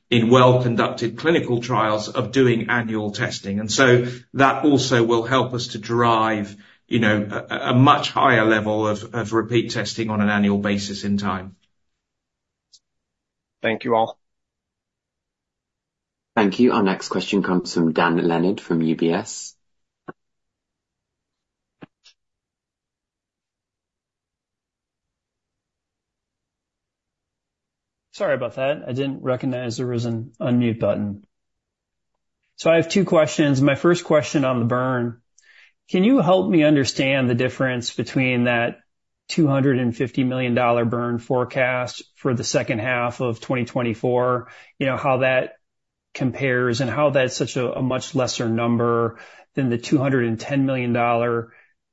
in well-conducted clinical trials of doing annual testing. And so that also will help us to drive, you know, a much higher level of repeat testing on an annual basis in time.... Thank you all. Thank you. Our next question comes from Dan Leonard, from UBS. Sorry about that. I didn't recognize there was an unmute button. So I have two questions. My first question on the burn: Can you help me understand the difference between that $250 million burn forecast for the second half of 2024, you know, how that compares and how that's such a much lesser number than the $210 million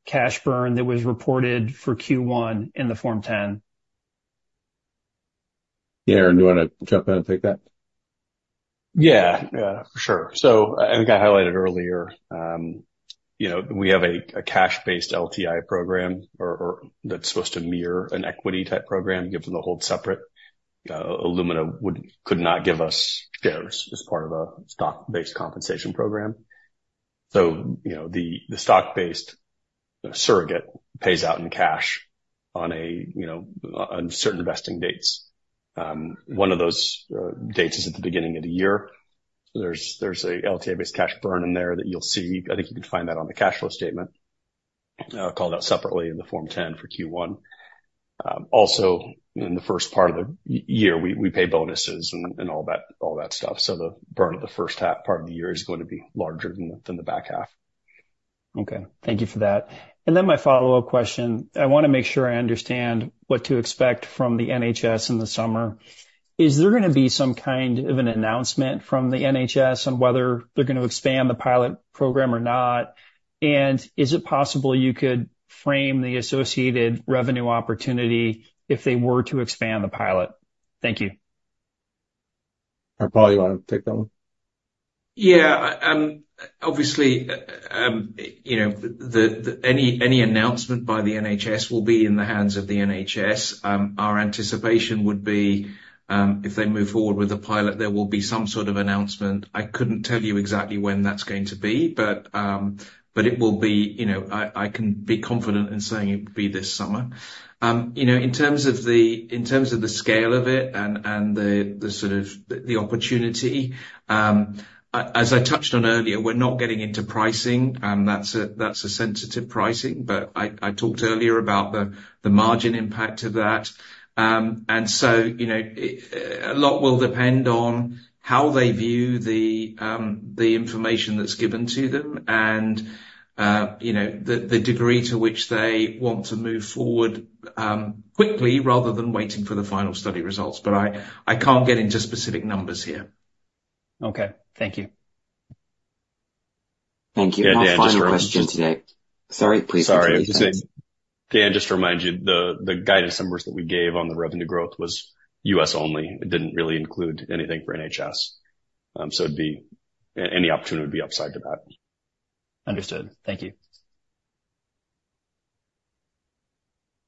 cash burn that was reported for Q1 in the Form 10-Q? Aaron, do you wanna jump in and take that? Yeah, yeah, for sure. So, I think I highlighted earlier, you know, we have a cash-based LTI program or that's supposed to mirror an equity-type program, given the hold separate. Illumina could not give us shares as part of a stock-based compensation program. So, you know, the stock-based surrogate pays out in cash on, you know, certain vesting dates. One of those dates is at the beginning of the year. There's a LTA-based cash burn in there that you'll see. I think you can find that on the cash flow statement, called out separately in the Form 10-Q for Q1. Also, in the first part of the year, we pay bonuses and all that stuff, so the burn of the first half part of the year is going to be larger than the back half. Okay, thank you for that. Then my follow-up question, I wanna make sure I understand what to expect from the NHS in the summer. Is there gonna be some kind of an announcement from the NHS on whether they're going to expand the pilot program or not? And is it possible you could frame the associated revenue opportunity if they were to expand the pilot? Thank you. Harpal, you wanna take that one? Yeah. Obviously, you know, any announcement by the NHS will be in the hands of the NHS. Our anticipation would be, if they move forward with the pilot, there will be some sort of announcement. I couldn't tell you exactly when that's going to be, but it will be, you know... I can be confident in saying it will be this summer. You know, in terms of the scale of it, and the sort of opportunity, as I touched on earlier, we're not getting into pricing, that's a sensitive pricing. But I talked earlier about the margin impact of that. So, you know, a lot will depend on how they view the information that's given to them and, you know, the degree to which they want to move forward quickly, rather than waiting for the final study results. But I can't get into specific numbers here. Okay. Thank you. Thank you. Dan, just to- Our final question today. Sorry, please finish. Sorry, just saying, Dan, just to remind you, the guidance numbers that we gave on the revenue growth was U.S. only. It didn't really include anything for NHS. So it'd be any opportunity would be upside to that. Understood. Thank you.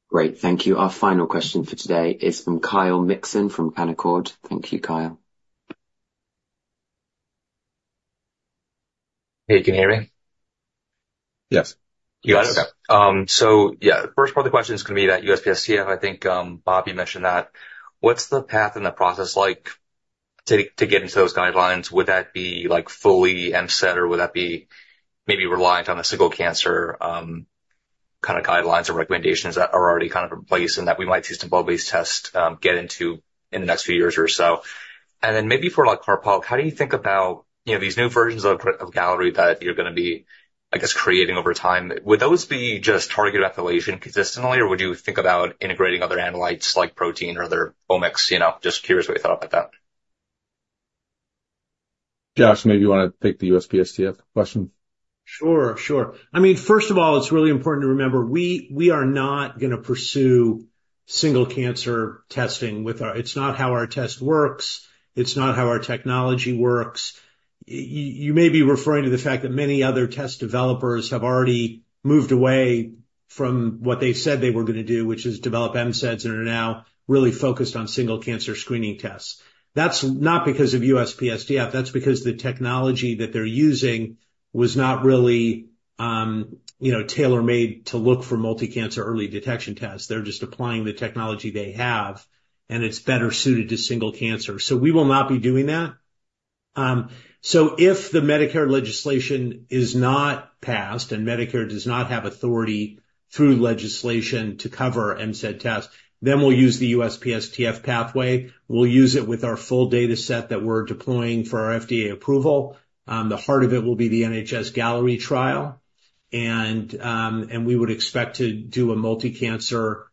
Great. Thank you. Our final question for today is from Kyle Mixon, from Canaccord. Thank you, Kyle. Hey, you can hear me? Yes. Yes. So yeah, the first part of the question is gonna be that USPSTF, I think, Bob, you mentioned that. What's the path and the process like to get into those guidelines? Would that be, like, fully MCED, or would that be maybe reliant on a single cancer, kind of, guidelines or recommendations that are already kind of in place, and that we might see some blood-based test get into in the next few years or so? And then maybe for, like, Harpal, how do you think about, you know, these new versions of Galleri that you're gonna be, I guess, creating over time? Would those be just targeted methylation consistently, or would you think about integrating other analytes, like protein or other omics? You know, just curious what you thought about that. Josh, maybe you wanna take the USPSTF question? Sure, sure. I mean, first of all, it's really important to remember, we are not gonna pursue single cancer testing with our... It's not how our test works. It's not how our technology works. You may be referring to the fact that many other test developers have already moved away from what they said they were gonna do, which is develop MCEDs, and are now really focused on single cancer screening tests. That's not because of USPSTF. That's because the technology that they're using was not really, you know, tailor-made to look for multi-cancer early detection tests. They're just applying the technology they have, and it's better suited to single cancer. So we will not be doing that. So if the Medicare legislation is not passed, and Medicare does not have authority through legislation to cover MCED tests, then we'll use the USPSTF pathway. We'll use it with our full data set that we're deploying for our FDA approval. The heart of it will be the NHS-Galleri trial, and we would expect to do a multi-cancer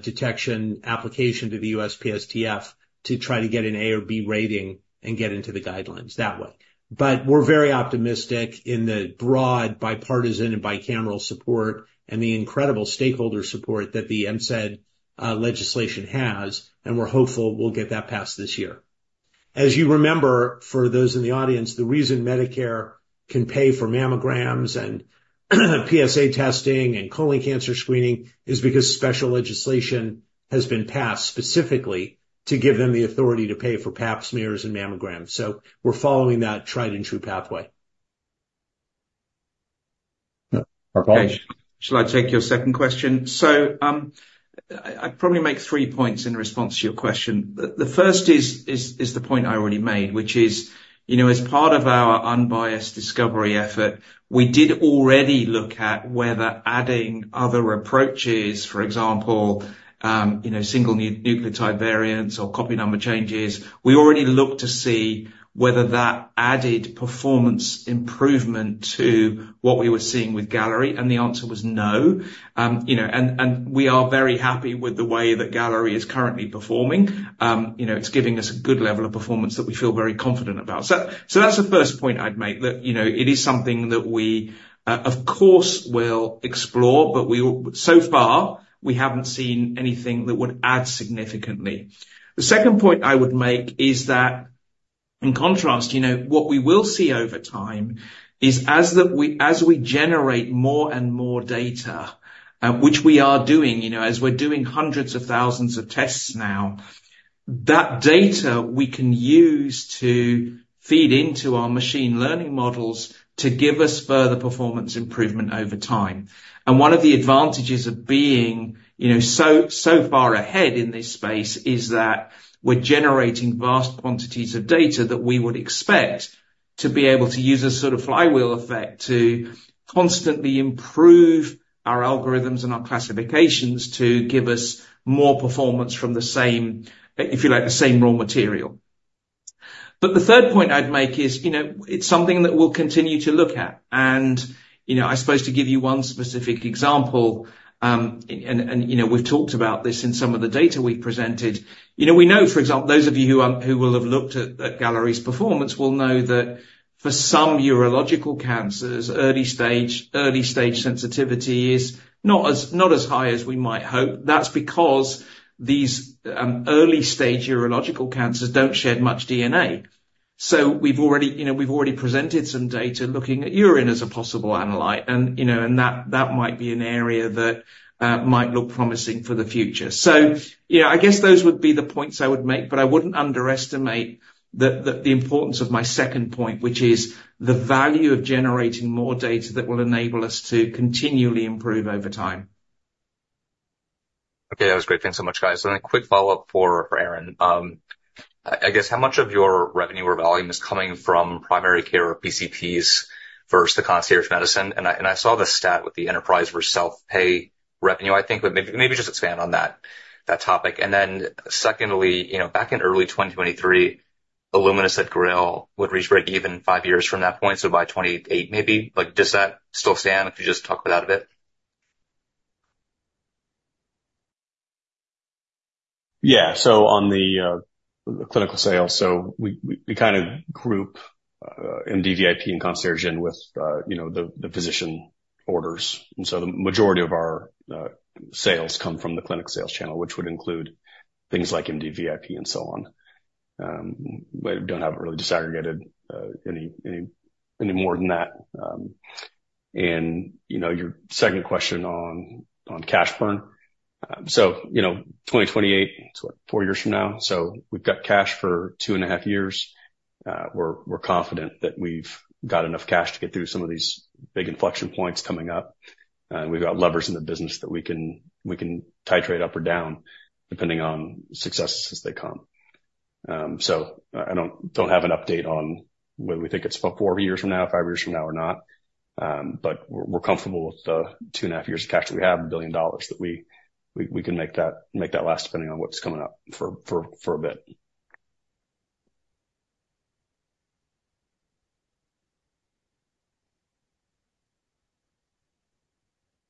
detection application to the USPSTF to try to get an A or B rating and get into the guidelines that way. But we're very optimistic in the broad, bipartisan, and bicameral support and the incredible stakeholder support that the MCED legislation has, and we're hopeful we'll get that passed this year. As you remember, for those in the audience, the reason Medicare can pay for mammograms and PSA testing and colon cancer screening is because special legislation has been passed specifically to give them the authority to pay for Pap smears and mammograms. So we're following that tried-and-true pathway.... Okay, shall I take your second question? So, I'd probably make three points in response to your question. The first is the point I already made, which is, you know, as part of our unbiased discovery effort, we did already look at whether adding other approaches, for example, you know, single nucleotide variants or copy number changes. We already looked to see whether that added performance improvement to what we were seeing with Galleri, and the answer was no. You know, and we are very happy with the way that Galleri is currently performing. You know, it's giving us a good level of performance that we feel very confident about. So that's the first point I'd make, that, you know, it is something that we, of course, will explore, but so far, we haven't seen anything that would add significantly. The second point I would make is that, in contrast, you know, what we will see over time is as we generate more and more data, which we are doing, you know, as we're doing hundreds of thousands of tests now. That data we can use to feed into our machine learning models to give us further performance improvement over time. And one of the advantages of being, you know, so far ahead in this space is that we're generating vast quantities of data that we would expect to be able to use a sort of flywheel effect to constantly improve our algorithms and our classifications to give us more performance from the same, if you like, the same raw material. But the third point I'd make is, you know, it's something that we'll continue to look at. And, you know, I suppose to give you one specific example, and, you know, we've talked about this in some of the data we've presented. You know, we know, for example, those of you who will have looked at Galleri's performance will know that for some urological cancers, early stage sensitivity is not as high as we might hope. That's because these early-stage urological cancers don't shed much DNA. So we've already, you know, we've already presented some data looking at urine as a possible analyte, and, you know, and that might be an area that might look promising for the future. So, you know, I guess those would be the points I would make, but I wouldn't underestimate the importance of my second point, which is the value of generating more data that will enable us to continually improve over time. Okay, that was great. Thanks so much, guys. And a quick follow-up for Aaron. I guess, how much of your revenue or volume is coming from primary care or PCPs versus the concierge medicine? And I saw the stat with the enterprise versus self-pay revenue, I think, but maybe just expand on that topic. And then secondly, you know, back in early 2023, Illumina said GRAIL would reach break even five years from that point, so by 2028 maybe. Like, does that still stand? If you just talk about it a bit. Yeah. So on the, the clinical sales, so we, we, we kind of group MDVIP and concierge in with, you know, the, the physician orders. And so the majority of our, sales come from the clinic sales channel, which would include things like MDVIP and so on. But don't have it really disaggregated, any, any, any more than that. And, you know, your second question on, on cash burn. So, you know, 2028, it's what? Four years from now. So we've got cash for 2.5 years. We're, we're confident that we've got enough cash to get through some of these big inflection points coming up, and we've got levers in the business that we can, we can titrate up or down, depending on successes as they come. I don't have an update on whether we think it's about four years from now, four years from now or not, but we're comfortable with the 2.5 years of cash that we have, $1 billion, that we can make that last, depending on what's coming up for a bit.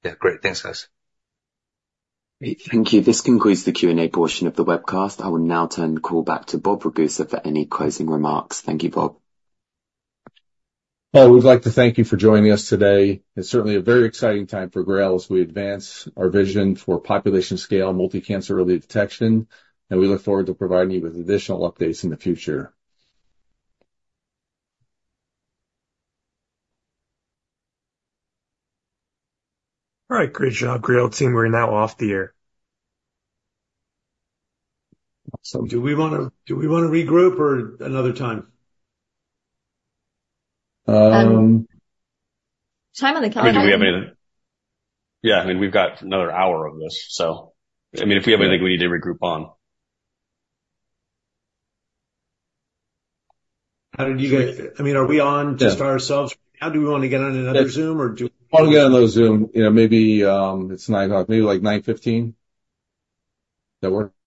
Yeah. Great. Thanks, guys. Thank you. This concludes the Q&A portion of the webcast. I will now turn the call back to Bob Ragusa for any closing remarks. Thank you, Bob. Well, we'd like to thank you for joining us today. It's certainly a very exciting time for GRAIL as we advance our vision for population scale, multi-cancer, early detection, and we look forward to providing you with additional updates in the future. All right. Great job, GRAIL team. We're now off the air. So do we wanna regroup or another time? Time on the calendar? I mean, we have, yeah, I mean, we've got another hour of this, so... I mean, if we have anything we need to regroup on. How did you guys—I mean, are we on just by ourselves? How do we wanna get on another Zoom or do we- Wanna get on the Zoom, you know, maybe, it's 9:00 A.M., maybe like 9:15 A.M. That work?